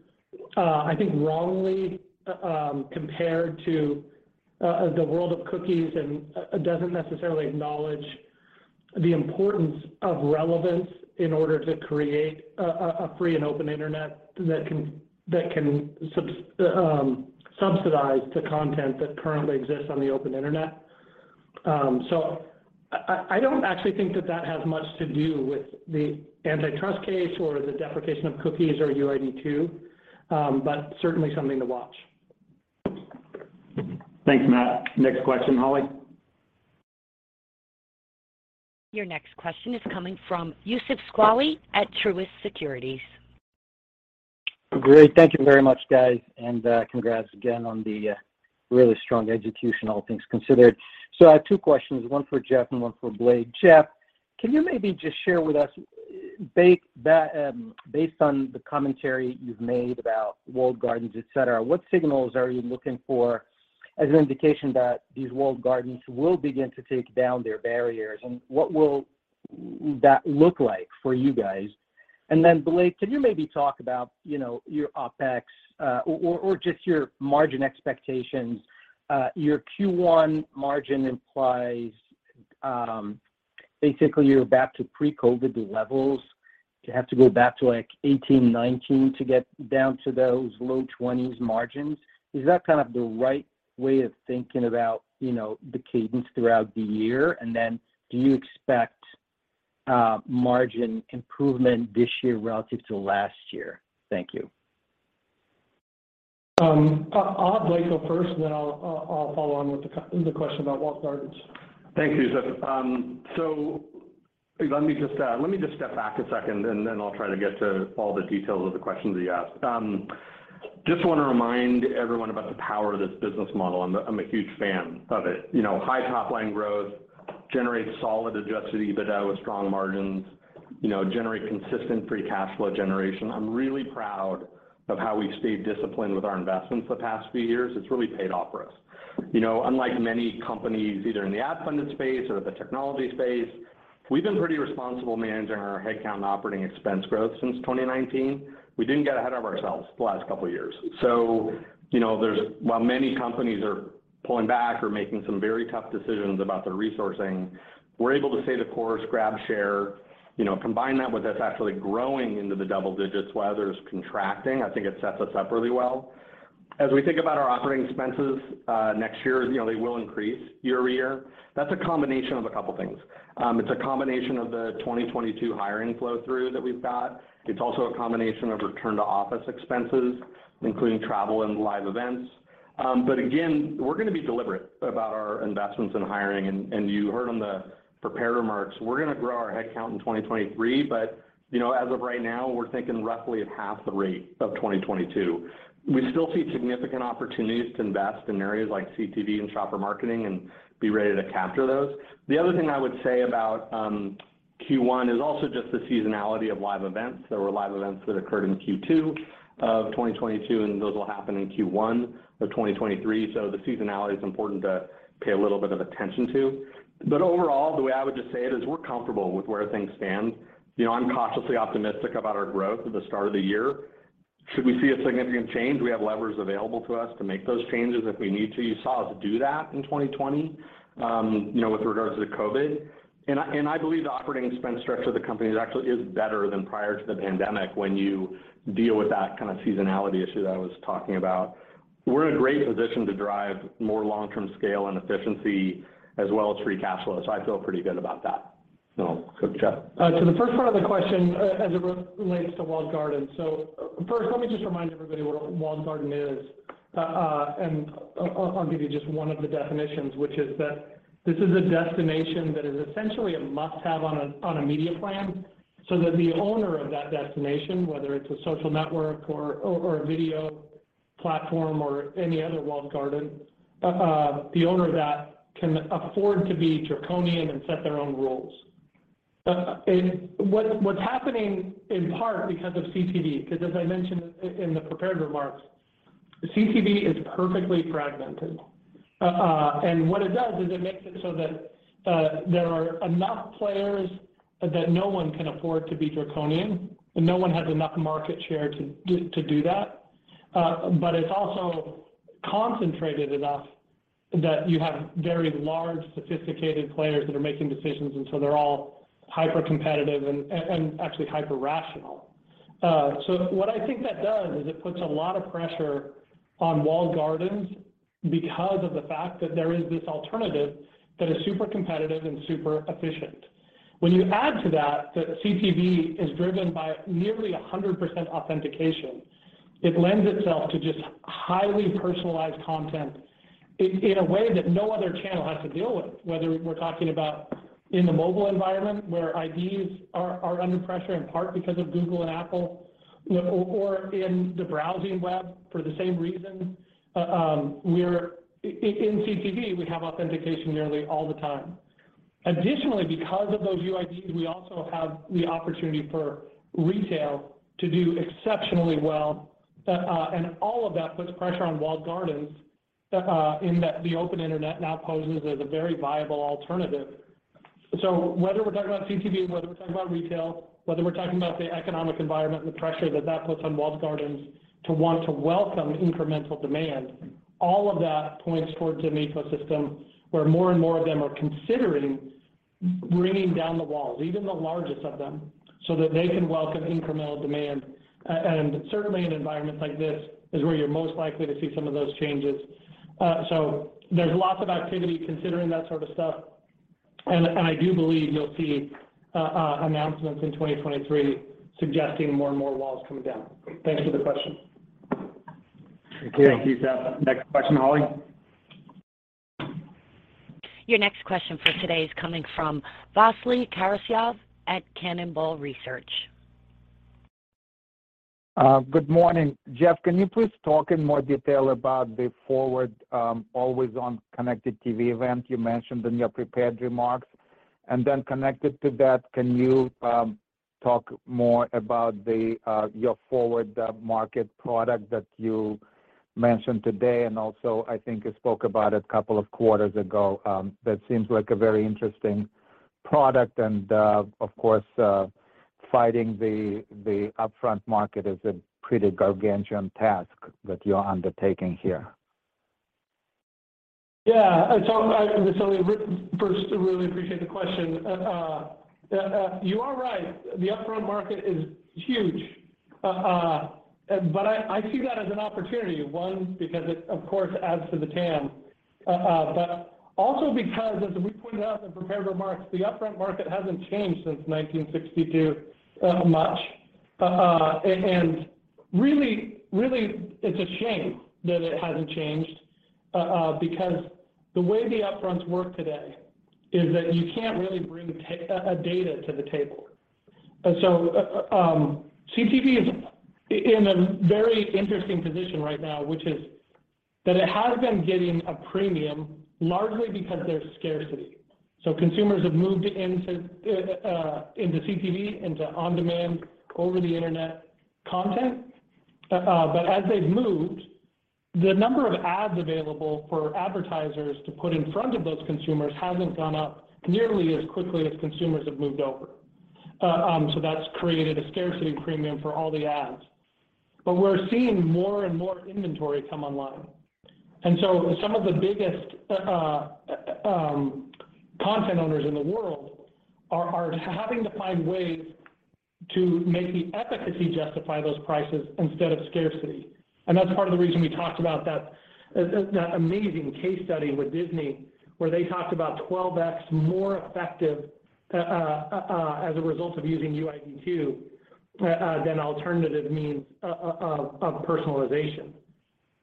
I think wrongly, compared to the world of cookies and it doesn't necessarily acknowledge the importance of relevance in order to create a free and open internet that can subsidize the content that currently exists on the open internet. I don't actually think that that has much to do with the antitrust case or the deprecation of cookies or UID2, but certainly something to watch. Thanks, Matt. Next question, Holly. Your next question is coming from Youssef Squali at Truist Securities. Great. Thank you very much, guys, congrats again on the really strong execution, all things considered. I have 2 questions, one for Jeff and one for Blake. Jeff, can you maybe just share with us based on the commentary you've made about walled gardens, et cetera, what signals are you looking for as an indication that these walled gardens will begin to take down their barriers? What will that look like for you guys? Blake, can you maybe talk about, you know, your OpEx or just your margin expectations. Your Q1 margin implies basically you're back to pre-COVID levels. Do you have to go back to like 2018, 2019 to get down to those low 20s margins? Is that kind of the right way of thinking about, you know, the cadence throughout the year? Do you expect margin improvement this year relative to last year? Thank you. I'll have Blake go first, and then I'll follow on with the question about walled gardens. Thank you, Youssef. Let me just step back 1 second and I'll try to get to all the details of the questions that you asked. Just wanna remind everyone about the power of this business model. I'm a huge fan of it. You know, high top line growth generates solid adjusted EBITDA with strong margins, you know, generate consistent free cash flow generation. I'm really proud of how we've stayed disciplined with our investments the past few years. It's really paid off for us. You know, unlike many companies, either in the ad funded space or the technology space, we've been pretty responsible managing our headcount operating expense growth since 2019. We didn't get ahead of ourselves the last couple of years. You know, there's. While many companies are pulling back or making some very tough decisions about the resourcing, we're able to stay the course, grab share, you know, combine that with us actually growing into the double digits while others are contracting, I think it sets us up really well. As we think about our OpEx, next year, you know, they will increase year-over-year. That's a combination of a couple of things. It's a combination of the 2022 hiring flow-through that we've got. It's also a combination of return to office expenses, including travel and live events. Again, we're gonna be deliberate about our investments in hiring. You heard on the prepared remarks, we're gonna grow our headcount in 2023, but, you know, as of right now, we're thinking roughly at half the rate of 2022. We still see significant opportunities to invest in areas like CTV and shopper marketing and be ready to capture those. The other thing I would say about Q1 is also just the seasonality of live events. There were live events that occurred in Q2 of 2022, and those will happen in Q1 of 2023. The seasonality is important to pay a little bit of attention to. Overall, the way I would just say it is we're comfortable with where things stand. You know, I'm cautiously optimistic about our growth at the start of the year. Should we see a significant change, we have levers available to us to make those changes if we need to. You saw us do that in 2020, you know, with regards to the COVID. I believe the operating expense structure of the company is actually better than prior to the pandemic when you deal with that kind of seasonality issue that I was talking about. We're in a great position to drive more long-term scale and efficiency as well as free cash flow. I feel pretty good about that. Go, Jeff. To the first part of the question as it relates to walled gardens. First, let me just remind everybody what a walled garden is. I'll give you just one of the definitions, which is that this is a destination that is essentially a must-have on a media plan, so that the owner of that destination, whether it's a social network or a video platform or any other walled garden, the owner of that can afford to be draconian and set their own rules. What's happening in part because of CTV, because as I mentioned in the prepared remarks, CTV is perfectly fragmented. What it does is it makes it so that there are enough players that no one can afford to be draconian, and no one has enough market share to do that. It's also concentrated enough that you have very large, sophisticated players that are making decisions, and so they're all hypercompetitive and actually hyperrational. What I think that does is it puts a lot of pressure on walled gardens because of the fact that there is this alternative that is super competitive and super efficient. You add to that CTV is driven by nearly 100% authentication, it lends itself to just highly personalized content in a way that no other channel has to deal with, whether we're talking about in the mobile environment, where IDs are under pressure, in part because of Google and Apple, you know, or in the browsing web for the same reason. In CTV, we have authentication nearly all the time. Additionally, because of those UIDs, we also have the opportunity for retail to do exceptionally well. All of that puts pressure on walled gardens, in that the open internet now poses as a very viable alternative. Whether we're talking about CTV, whether we're talking about retail, whether we're talking about the economic environment and the pressure that that puts on walled gardens to want to welcome incremental demand, all of that points towards an ecosystem where more and more of them are considering bringing down the walls, even the largest of them, so that they can welcome incremental demand. Certainly an environment like this is where you're most likely to see some of those changes. There's lots of activity considering that sort of stuff. I do believe you'll see announcements in 2023 suggesting more and more walls coming down. Thanks for the question. Thank you. Thank you, Jeff. Next question, Holly. Your next question for today is coming from Vasily Karasyov at Cannonball Research. Good morning. Jeff, can you please talk in more detail about the forward, always-on connected TV event you mentioned in your prepared remarks? Connected to that, can you talk more about the your forward market product that you mentioned today and also I think you spoke about a couple of quarters ago? That seems like a very interesting product. Of course, fighting the upfront market is a pretty gargantuan task that you're undertaking here. Yeah. First, I really appreciate the question. You are right. The upfront market is huge. I see that as an opportunity, one, because it, of course, adds to the TAM. Also because, as we pointed out in prepared remarks, the upfront market hasn't changed since 1962, much. Really it's a shame that it hasn't changed, because the way the upfronts work today is that you can't really bring data to the table. CTV is in a very interesting position right now, which is that it has been getting a premium largely because there's scarcity. Consumers have moved into CTV, into on-demand over the internet content. As they've moved, the number of ads available for advertisers to put in front of those consumers hasn't gone up nearly as quickly as consumers have moved over. That's created a scarcity premium for all the ads. But we're seeing more and more inventory come online. Some of the biggest content owners in the world are having to find ways to make the efficacy justify those prices instead of scarcity. That's part of the reason we talked about that amazing case study with Disney, where they talked about 12x more effective as a result of using UID2 than alternative means of personalization.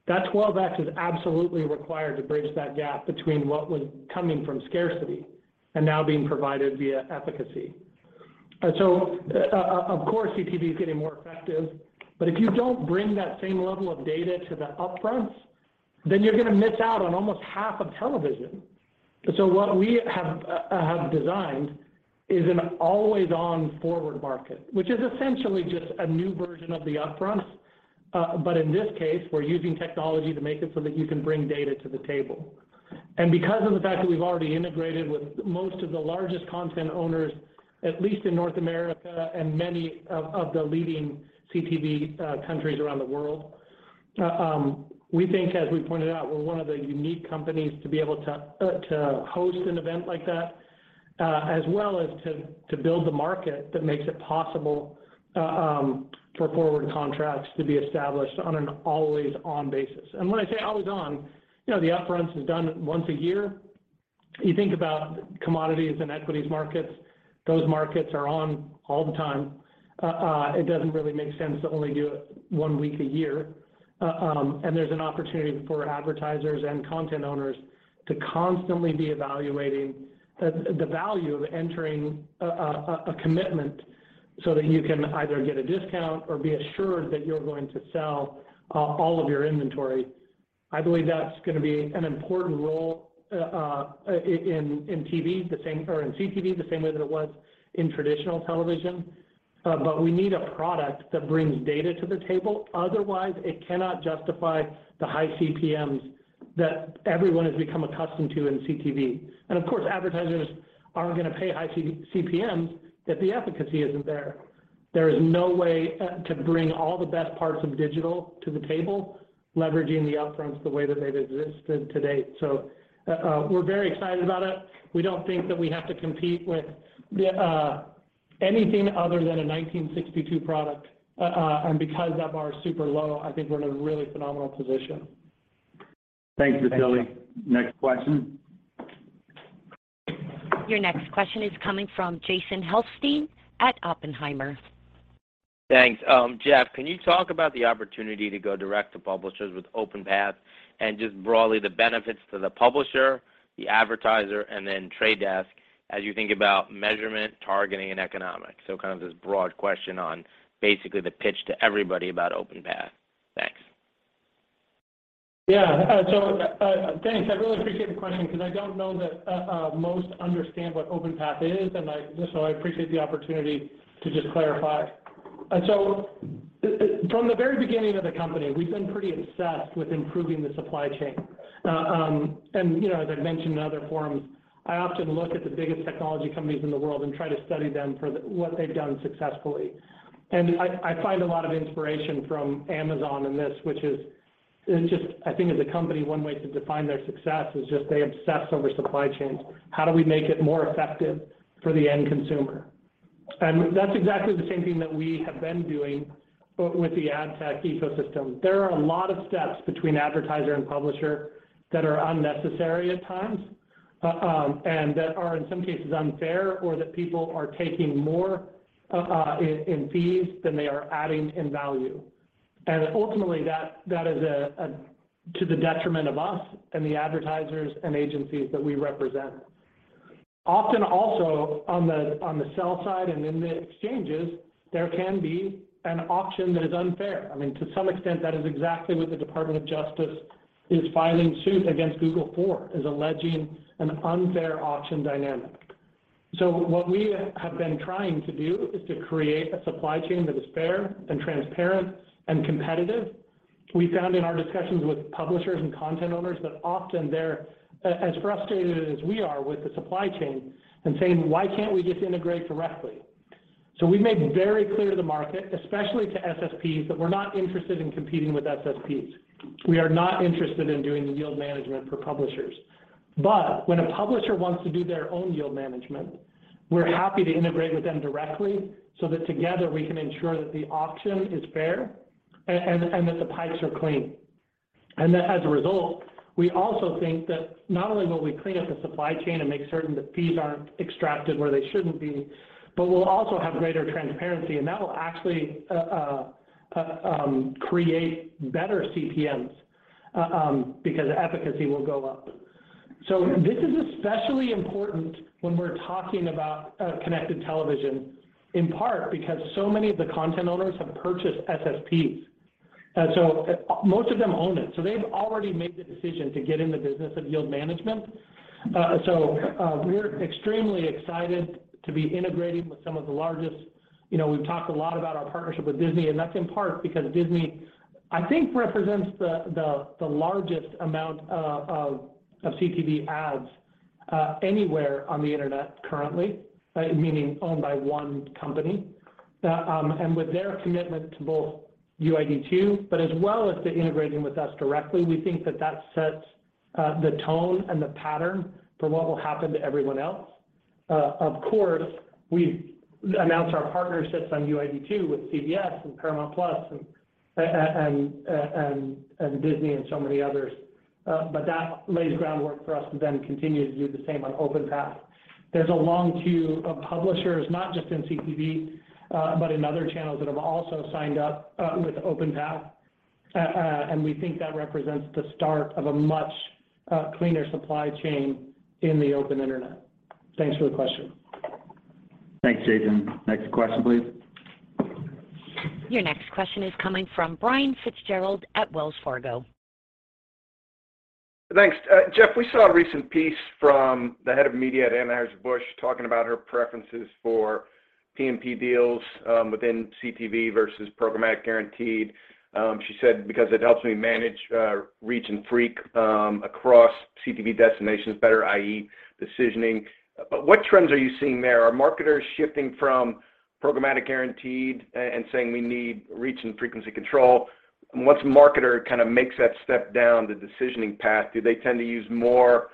That 12x is absolutely required to bridge that gap between what was coming from scarcity and now being provided via efficacy. Of course, CTV is getting more effective. If you don't bring that same level of data to the upfront, then you're gonna miss out on almost half of television. What we have designed is an always-on-forward market, which is essentially just a new version of the upfront. In this case, we're using technology to make it so that you can bring data to the table. Because of the fact that we've already integrated with most of the largest content owners, at least in North America and many of the leading CTV countries around the world, we think, as we pointed out, we're one of the unique companies to be able to host an event like that, as well as to build the market that makes it possible for forward contracts to be established on an always-on basis. When I say always-on, you know, the upfront is done once a year. You think about commodities and equities markets, those markets are on all the time. It doesn't really make sense to only do it one week a year. There's an opportunity for advertisers and content owners to constantly be evaluating the value of entering a commitment so that you can either get a discount or be assured that you're going to sell all of your inventory. I believe that's gonna be an important role in TV, the same or in CTV, the same way that it was in traditional television. We need a product that brings data to the table. Otherwise, it cannot justify the high CPMs that everyone has become accustomed to in CTV. Of course, advertisers aren't gonna pay high CPMs if the efficacy isn't there. There is no way to bring all the best parts of digital to the table, leveraging the upfront the way that they've existed to date. We're very excited about it. We don't think that we have to compete with anything other than a 1962 product. Because that bar is super low, I think we're in a really phenomenal position. Thanks, Vasily. Next question. Your next question is coming from Jason Helfstein at Oppenheimer. Thanks. Jeff, can you talk about the opportunity to go direct to publishers with OpenPath and just broadly the benefits to the publisher, the advertiser, and then Trade Desk as you think about measurement, targeting, and economics? Kind of this broad question on basically the pitch to everybody about OpenPath. Thanks. Yeah. Thanks. I really appreciate the question 'cause I don't know that most understand what OpenPath is. I appreciate the opportunity to just clarify. From the very beginning of the company, we've been pretty obsessed with improving the supply chain. You know, as I've mentioned in other forums, I often look at the biggest technology companies in the world and try to study them for what they've done successfully. I find a lot of inspiration from Amazon in this, which is just, I think as a company, one way to define their success is just they obsess over supply chains. How do we make it more effective for the end consumer? That's exactly the same thing that we have been doing, but with the ad tech ecosystem. There are a lot of steps between advertiser and publisher that are unnecessary at times, and that are, in some cases, unfair or that people are taking more in fees than they are adding in value. Ultimately, that is to the detriment of us and the advertisers and agencies that we represent. Often also on the sell side and in the exchanges, there can be an auction that is unfair. I mean, to some extent, that is exactly what the Department of Justice is filing suit against Google for, is alleging an unfair auction dynamic. What we have been trying to do is to create a supply chain that is fair and transparent and competitive. We found in our discussions with publishers and content owners that often they're as frustrated as we are with the supply chain and saying, "Why can't we just integrate directly?" We've made very clear to the market, especially to SSPs, that we're not interested in competing with SSPs. We are not interested in doing yield management for publishers. When a publisher wants to do their own yield management, we're happy to integrate with them directly so that together we can ensure that the auction is fair and that the pipes are clean. As a result, we also think that not only will we clean up the supply chain and make certain that fees aren't extracted where they shouldn't be, but we'll also have greater transparency, and that will actually create better CPMs because efficacy will go up. This is especially important when we're talking about connected television, in part because so many of the content owners have purchased SSPs. Most of them own it. They've already made the decision to get in the business of yield management. We're extremely excited to be integrating with some of the largest... You know, we've talked a lot about our partnership with Disney, and that's in part because Disney, I think, represents the largest amount of CTV ads anywhere on the internet currently, meaning owned by one company. With their commitment to both UID2, but as well as the integrating with us directly, we think that that sets the tone and the pattern for what will happen to everyone else. Of course, we've announced our partnerships on UID2 with CBS and Paramount+ and Disney and so many others. That lays groundwork for us to then continue to do the same on OpenPath. There's a long queue of publishers, not just in CTV, but in other channels that have also signed up with OpenPath. We think that represents the start of a much cleaner supply chain in the open internet. Thanks for the question. Thanks, Adrian. Next question, please. Your next question is coming from Brian Fitzgerald at Wells Fargo. Thanks. Jeff, we saw a recent piece from the head of media at Anheuser-Busch talking about her preferences for PMP deals within CTV versus programmatic guaranteed. She said, "Because it helps me manage reach and freq across CTV destinations better, i.e. decisioning." What trends are you seeing there? Are marketers shifting from programmatic guaranteed and saying we need reach and frequency control? Once a marketer kind of makes that step down the decisioning path, do they tend to use more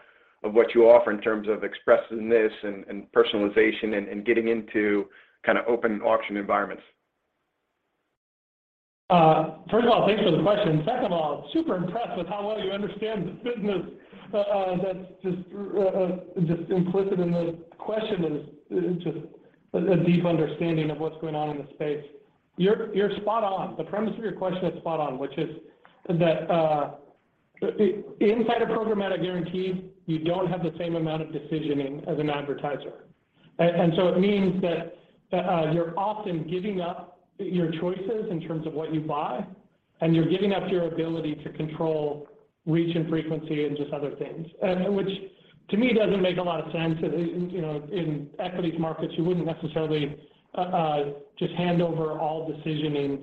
of what you offer in terms of expressiveness and personalization and getting into kinda open auction environments? First of all, thanks for the question. Second of all, super impressed with how well you understand the business. That's just implicit in the question is a deep understanding of what's going on in the space. You're spot on. The premise of your question is spot on, which is that inside a programmatic guarantee, you don't have the same amount of decisioning as an advertiser. It means that you're often giving up your choices in terms of what you buy, and you're giving up your ability to control reach and frequency and just other things. Which to me, doesn't make a lot of sense. You know, in equities markets, you wouldn't necessarily just hand over all decisioning.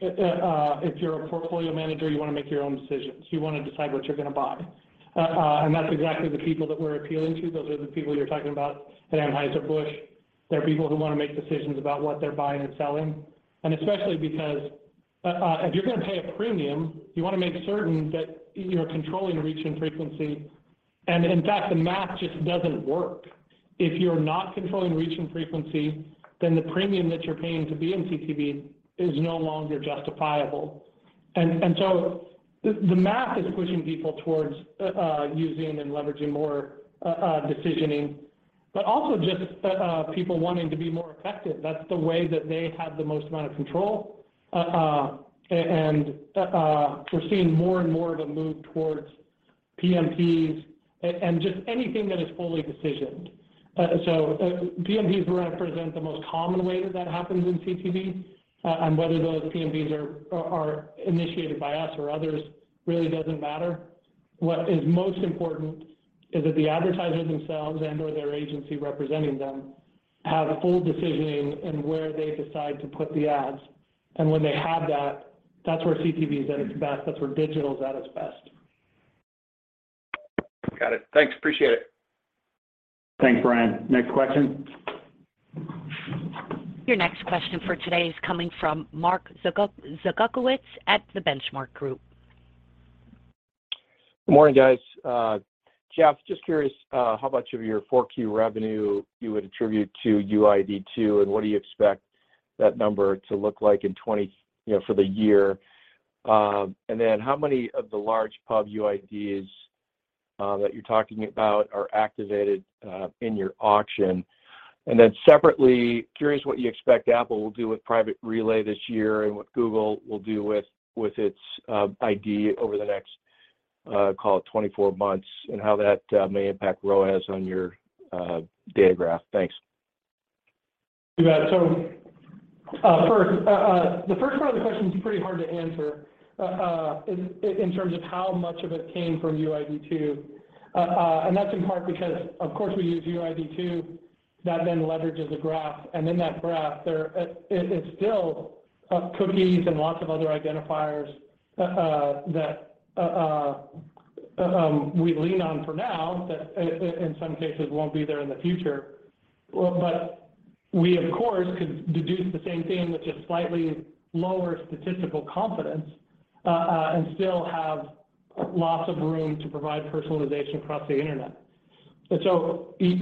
If you're a portfolio manager, you wanna make your own decisions. You wanna decide what you're gonna buy. That's exactly the people that we're appealing to. Those are the people you're talking about at Anheuser-Busch. They're people who wanna make decisions about what they're buying and selling. Especially because, if you're gonna pay a premium, you wanna make certain that you're controlling reach and frequency. In fact, the math just doesn't work. If you're not controlling reach and frequency, then the premium that you're paying to be in CTV is no longer justifiable. The math is pushing people towards using and leveraging more decisioning, but also just people wanting to be more effective. That's the way that they have the most amount of control. We're seeing more and more of a move towards PMPs and just anything that is fully decisioned. PMPs represent the most common way that that happens in CTV, and whether those PMPs are initiated by us or others really doesn't matter. What is most important is that the advertisers themselves and/or their agency representing them have full decisioning in where they decide to put the ads. When they have that's where CTV is at its best. That's where digital is at its best. Got it. Thanks. Appreciate it. Thanks, Brian. Next question. Your next question for today is coming from Mark Zgutowicz at The Benchmark Company. Morning, guys. Jeff, just curious, how much of your Q4 revenue you would attribute to UID2, and what do you expect that number to look like in 20, you know, for the year? Then how many of the large pub UIDs that you're talking about are activated in your auction? Separately, curious what you expect Apple will do with Private Relay this year and what Google will do with its ID over the next, call it 24 months, and how that may impact ROAS on your data graph. Thanks. You bet. First, the first part of the question is pretty hard to answer, in terms of how much of it came from UID2. That's in part because, of course, we use UID2. That then leverages a graph, and in that graph, it's still cookies and lots of other identifiers that we lean on for now that in some cases won't be there in the future. We, of course, could deduce the same thing with just slightly lower statistical confidence and still have lots of room to provide personalization across the internet. You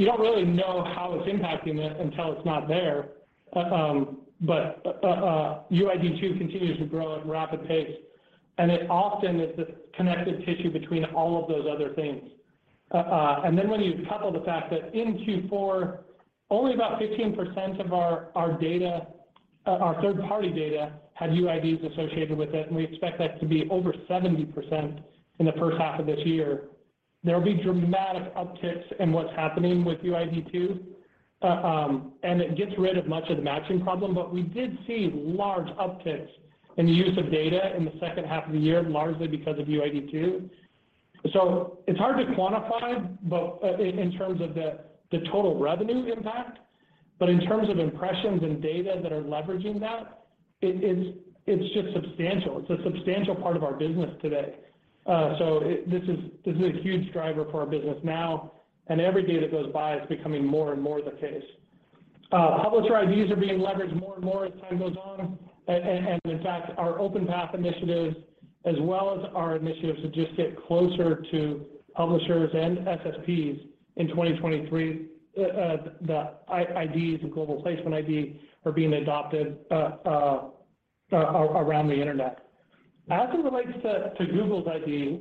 don't really know how it's impacting this until it's not there. UID2 continues to grow at rapid pace, and it often is the connective tissue between all of those other things. Then when you couple the fact that in Q4, only about 15% of our data, our third-party data had UIDs associated with it, and we expect that to be over 70% in the first half of this year. There'll be dramatic upticks in what's happening with UID2. It gets rid of much of the matching problem. We did see large upticks in the use of data in the second half of the year, largely because of UID2. It's hard to quantify, but in terms of impressions and data that are leveraging that, it's just substantial. It's a substantial part of our business today. This is a huge driver for our business now, and every day that goes by, it's becoming more and more the case. Publisher IDs are being leveraged more and more as time goes on. In fact, our OpenPath initiatives as well as our initiatives to just get closer to publishers and SSPs in 2023, the I-IDs and Global Placement ID are being adopted around the Internet. As it relates to Google's ID,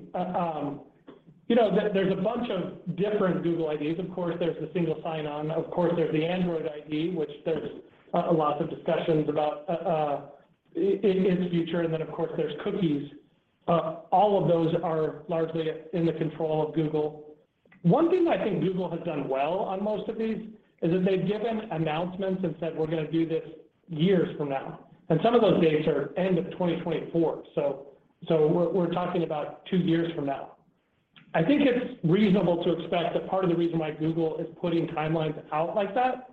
you know, there's a bunch of different Google IDs. Of course, there's the single sign-on. Of course, there's the Android ID, which there's lots of discussions about its future, and then, of course, there's cookies. All of those are largely in the control of Google. One thing I think Google has done well on most of these is that they've given announcements and said, "We're gonna do this years from now." Some of those dates are end of 2024. We're talking about two years from now. I think it's reasonable to expect that part of the reason why Google is putting timelines out like that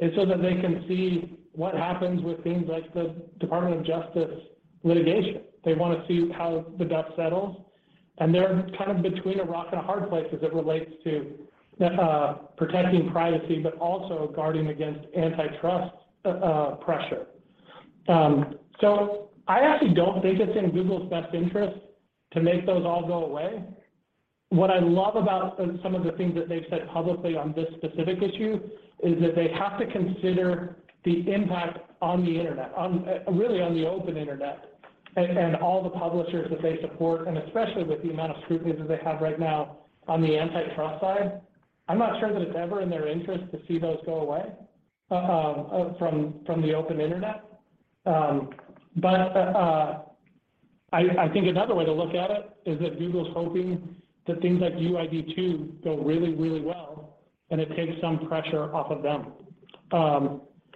is so that they can see what happens with things like the Department of Justice litigation. They wanna see how the dust settles, and they're kind of between a rock and a hard place as it relates to protecting privacy, but also guarding against antitrust pressure. I actually don't think it's in Google's best interest to make those all go away. What I love about some of the things that they've said publicly on this specific issue is that they have to consider the impact on the Internet, on the open Internet, and all the publishers that they support, and especially with the amount of scrutiny that they have right now on the antitrust side. I'm not sure that it's ever in their interest to see those go away from the open Internet. I think another way to look at it is that Google's hoping that things like UID2 go really, really well, and it takes some pressure off of them.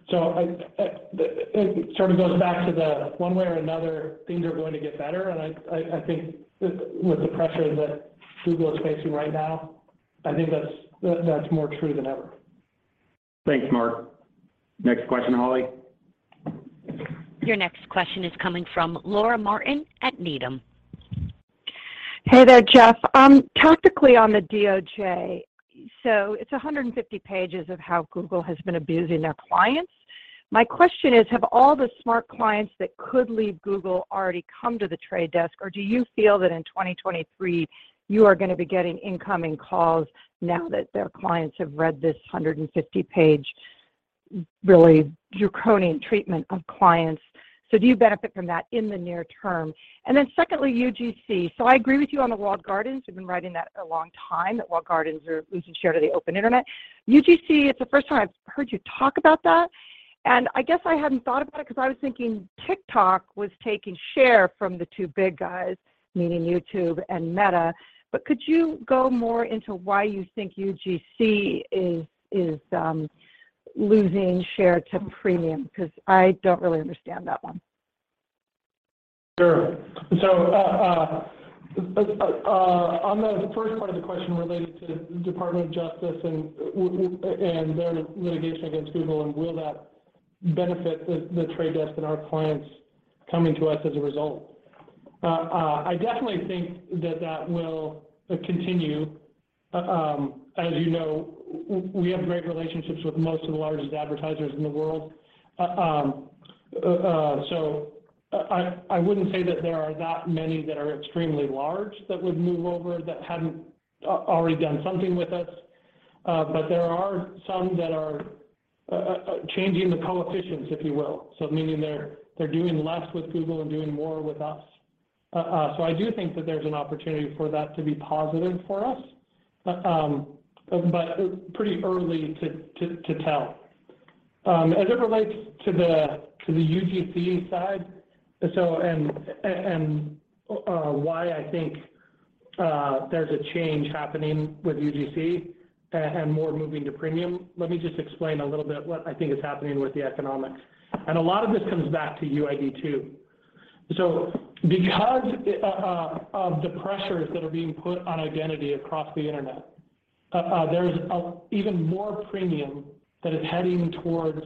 It sort of goes back to the one way or another, things are going to get better, I think with the pressure that Google is facing right now, I think that's more true than ever. Thanks, Mark. Next question, Holly. Your next question is coming from Laura Martin at Needham. Hey there, Jeff. Tactically on the DOJ, it's 150 pages of how Google has been abusing their clients. My question is, have all the smart clients that could leave Google already come to The Trade Desk, or do you feel that in 2023, you are gonna be getting incoming calls now that their clients have read this 150-page really draconian treatment of clients? Do you benefit from that in the near term? Secondly, UGC. I agree with you on the walled gardens. You've been writing that a long time, that walled gardens are losing share to the open Internet. UGC, it's the first time I've heard you talk about that. I guess I hadn't thought about it because I was thinking TikTok was taking share from the two big guys, meaning YouTube and Meta. Could you go more into why you think UGC is losing share to premium? I don't really understand that one. Sure. On the first part of the question related to Department of Justice and their litigation against Google and will that benefit the Trade Desk and our clients coming to us as a result. I definitely think that that will continue. As you know, we have great relationships with most of the largest advertisers in the world. I wouldn't say that there are that many that are extremely large that would move over that hadn't already done something with us. There are some that are changing the coefficients, if you will. Meaning they're doing less with Google and doing more with us. I do think that there's an opportunity for that to be positive for us, but pretty early to tell. As it relates to the, to the UGC side, why I think there's a change happening with UGC and more moving to premium, let me just explain a little bit what I think is happening with the economics. A lot of this comes back to UID2. Because of the pressures that are being put on identity across the Internet, there's even more premium that is heading towards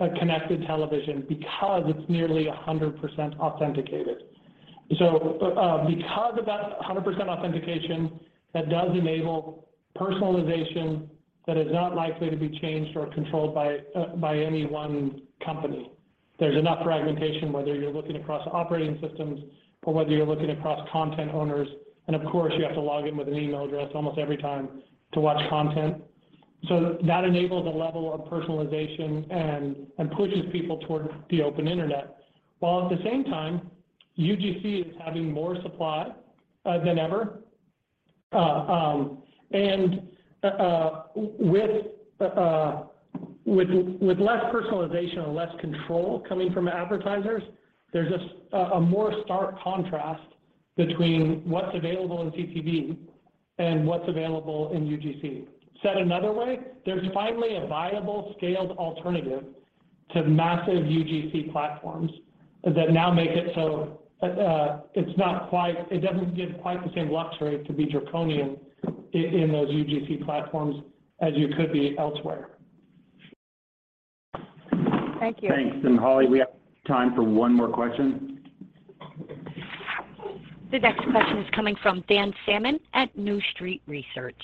a connected television because it's nearly 100% authenticated. Because of that 100% authentication, that does enable personalization that is not likely to be changed or controlled by any one company. There's enough fragmentation, whether you're looking across operating systems or whether you're looking across content owners. Of course, you have to log in with an email address almost every time to watch content. That enables a level of personalization and pushes people towards the open internet. While at the same time, UGC is having more supply than ever. With less personalization and less control coming from advertisers, there's just a more stark contrast between what's available in CTV and what's available in UGC. Said another way, there's finally a viable scaled alternative to massive UGC platforms that now make it so, it doesn't give quite the same luxury to be draconian in those UGC platforms as you could be elsewhere. Thank you. Thanks. Holly, we have time for one more question. The next question is coming from Dan Salmon at New Street Research.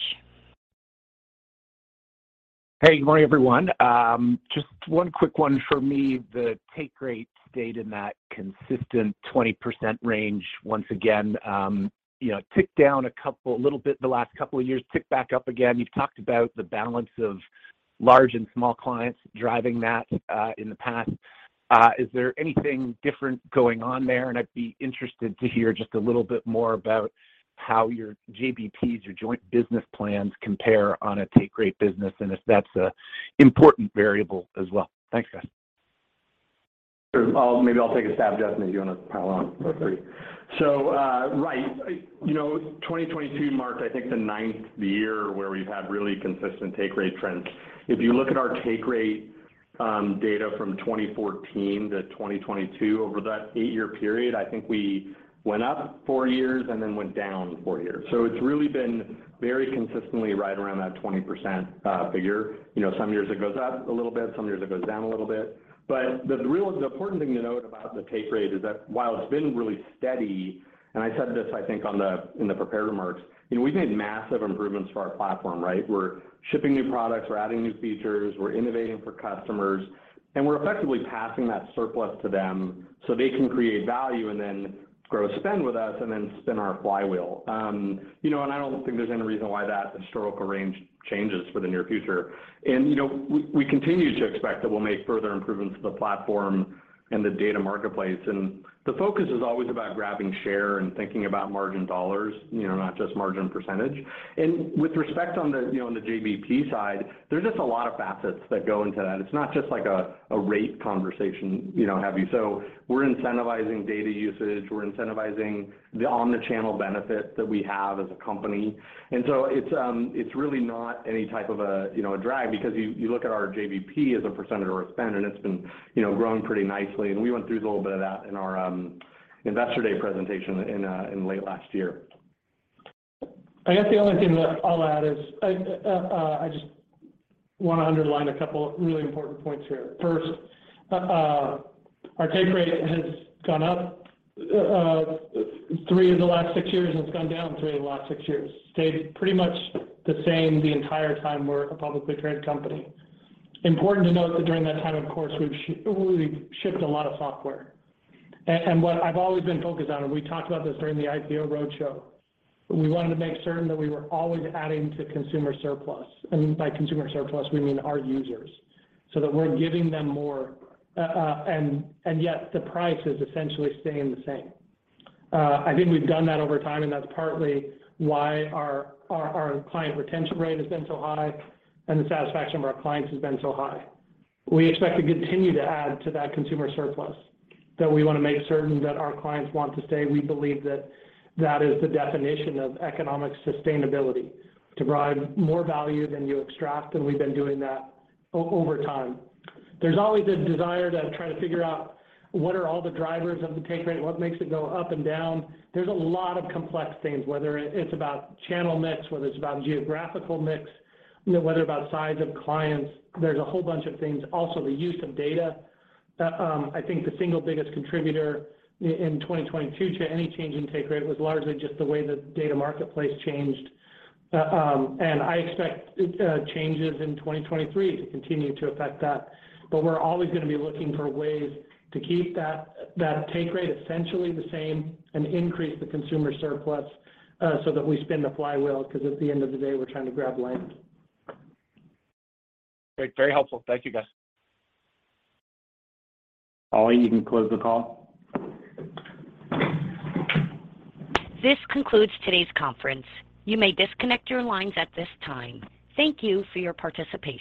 Hey, good morning, everyone. Just one quick one for me. The take rate stayed in that consistent 20% range once again. you know, ticked down a little bit the last couple of years, ticked back up again. You've talked about the balance of large and small clients driving that in the past. Is there anything different going on there? I'd be interested to hear just a little bit more about how your JBPs, your Joint Business Plans, compare on a take rate business, and if that's a important variable as well. Thanks, guys. Sure. Maybe I'll take a stab, Justin, if you wanna pile on. Feel free. Right. You know, 2022 marked, I think, the nineth year where we've had really consistent take rate trends. If you look at our take rate, data from 2014 to 2022, over that eight-year period, I think we went up four years and then went down four years. It's really been very consistently right around that 20% figure. You know, some years it goes up a little bit, some years it goes down a little bit. The important thing to note about the take rate is that while it's been really steady, and I said this, I think in the prepared remarks, you know, we've made massive improvements to our platform, right? We're shipping new products, we're adding new features, we're innovating for customers, and we're effectively passing that surplus to them so they can create value and then grow spend with us and then spin our flywheel. You know, I don't think there's any reason why that historical range changes for the near future. You know, we continue to expect that we'll make further improvements to the platform and the data marketplace. The focus is always about grabbing share and thinking about margin dollars, you know, not just margin percentage. With respect on the, you know, on the JBP side, there's just a lot of facets that go into that. It's not just like a rate conversation, you know, have you. So we're incentivizing data usage, we're incentivizing the omnichannel benefits that we have as a company. It's really not any type of a, you know, a drag because you look at our JBP as a percentage of our spend and it's been, you know, growing pretty nicely. We went through a little bit of that in our investor day presentation in late last year. I guess the only thing that I'll add is, I just wanna underline a couple of really important points here. First, our take rate has gone up three of the last six years and it's gone down three of the last six years. Stayed pretty much the same the entire time we're a publicly traded company. Important to note that during that time, of course, we've really shipped a lot of software. What I've always been focused on, and we talked about this during the IPO roadshow, we wanted to make certain that we were always adding to consumer surplus. By consumer surplus, we mean our users, so that we're giving them more. Yet the price is essentially staying the same. I think we've done that over time, that's partly why our client retention rate has been so high and the satisfaction of our clients has been so high. We expect to continue to add to that consumer surplus, that we wanna make certain that our clients want to stay. We believe that that is the definition of economic sustainability, to provide more value than you extract, we've been doing that over time. There's always a desire to try to figure out what are all the drivers of the take rate, what makes it go up and down. There's a lot of complex things, whether it's about channel mix, whether it's about geographical mix, you know, whether about size of clients. There's a whole bunch of things. The use of data. I think the single biggest contributor in 2022 to any change in take rate was largely just the way the data marketplace changed. I expect changes in 2023 to continue to affect that. We're always gonna be looking for ways to keep that take rate essentially the same and increase the consumer surplus, so that we spin the flywheel, 'cause at the end of the day, we're trying to grab land. Great. Very helpful. Thank you, guys. Holly, you can close the call. This concludes today's conference. You may disconnect your lines at this time. Thank you for your participation.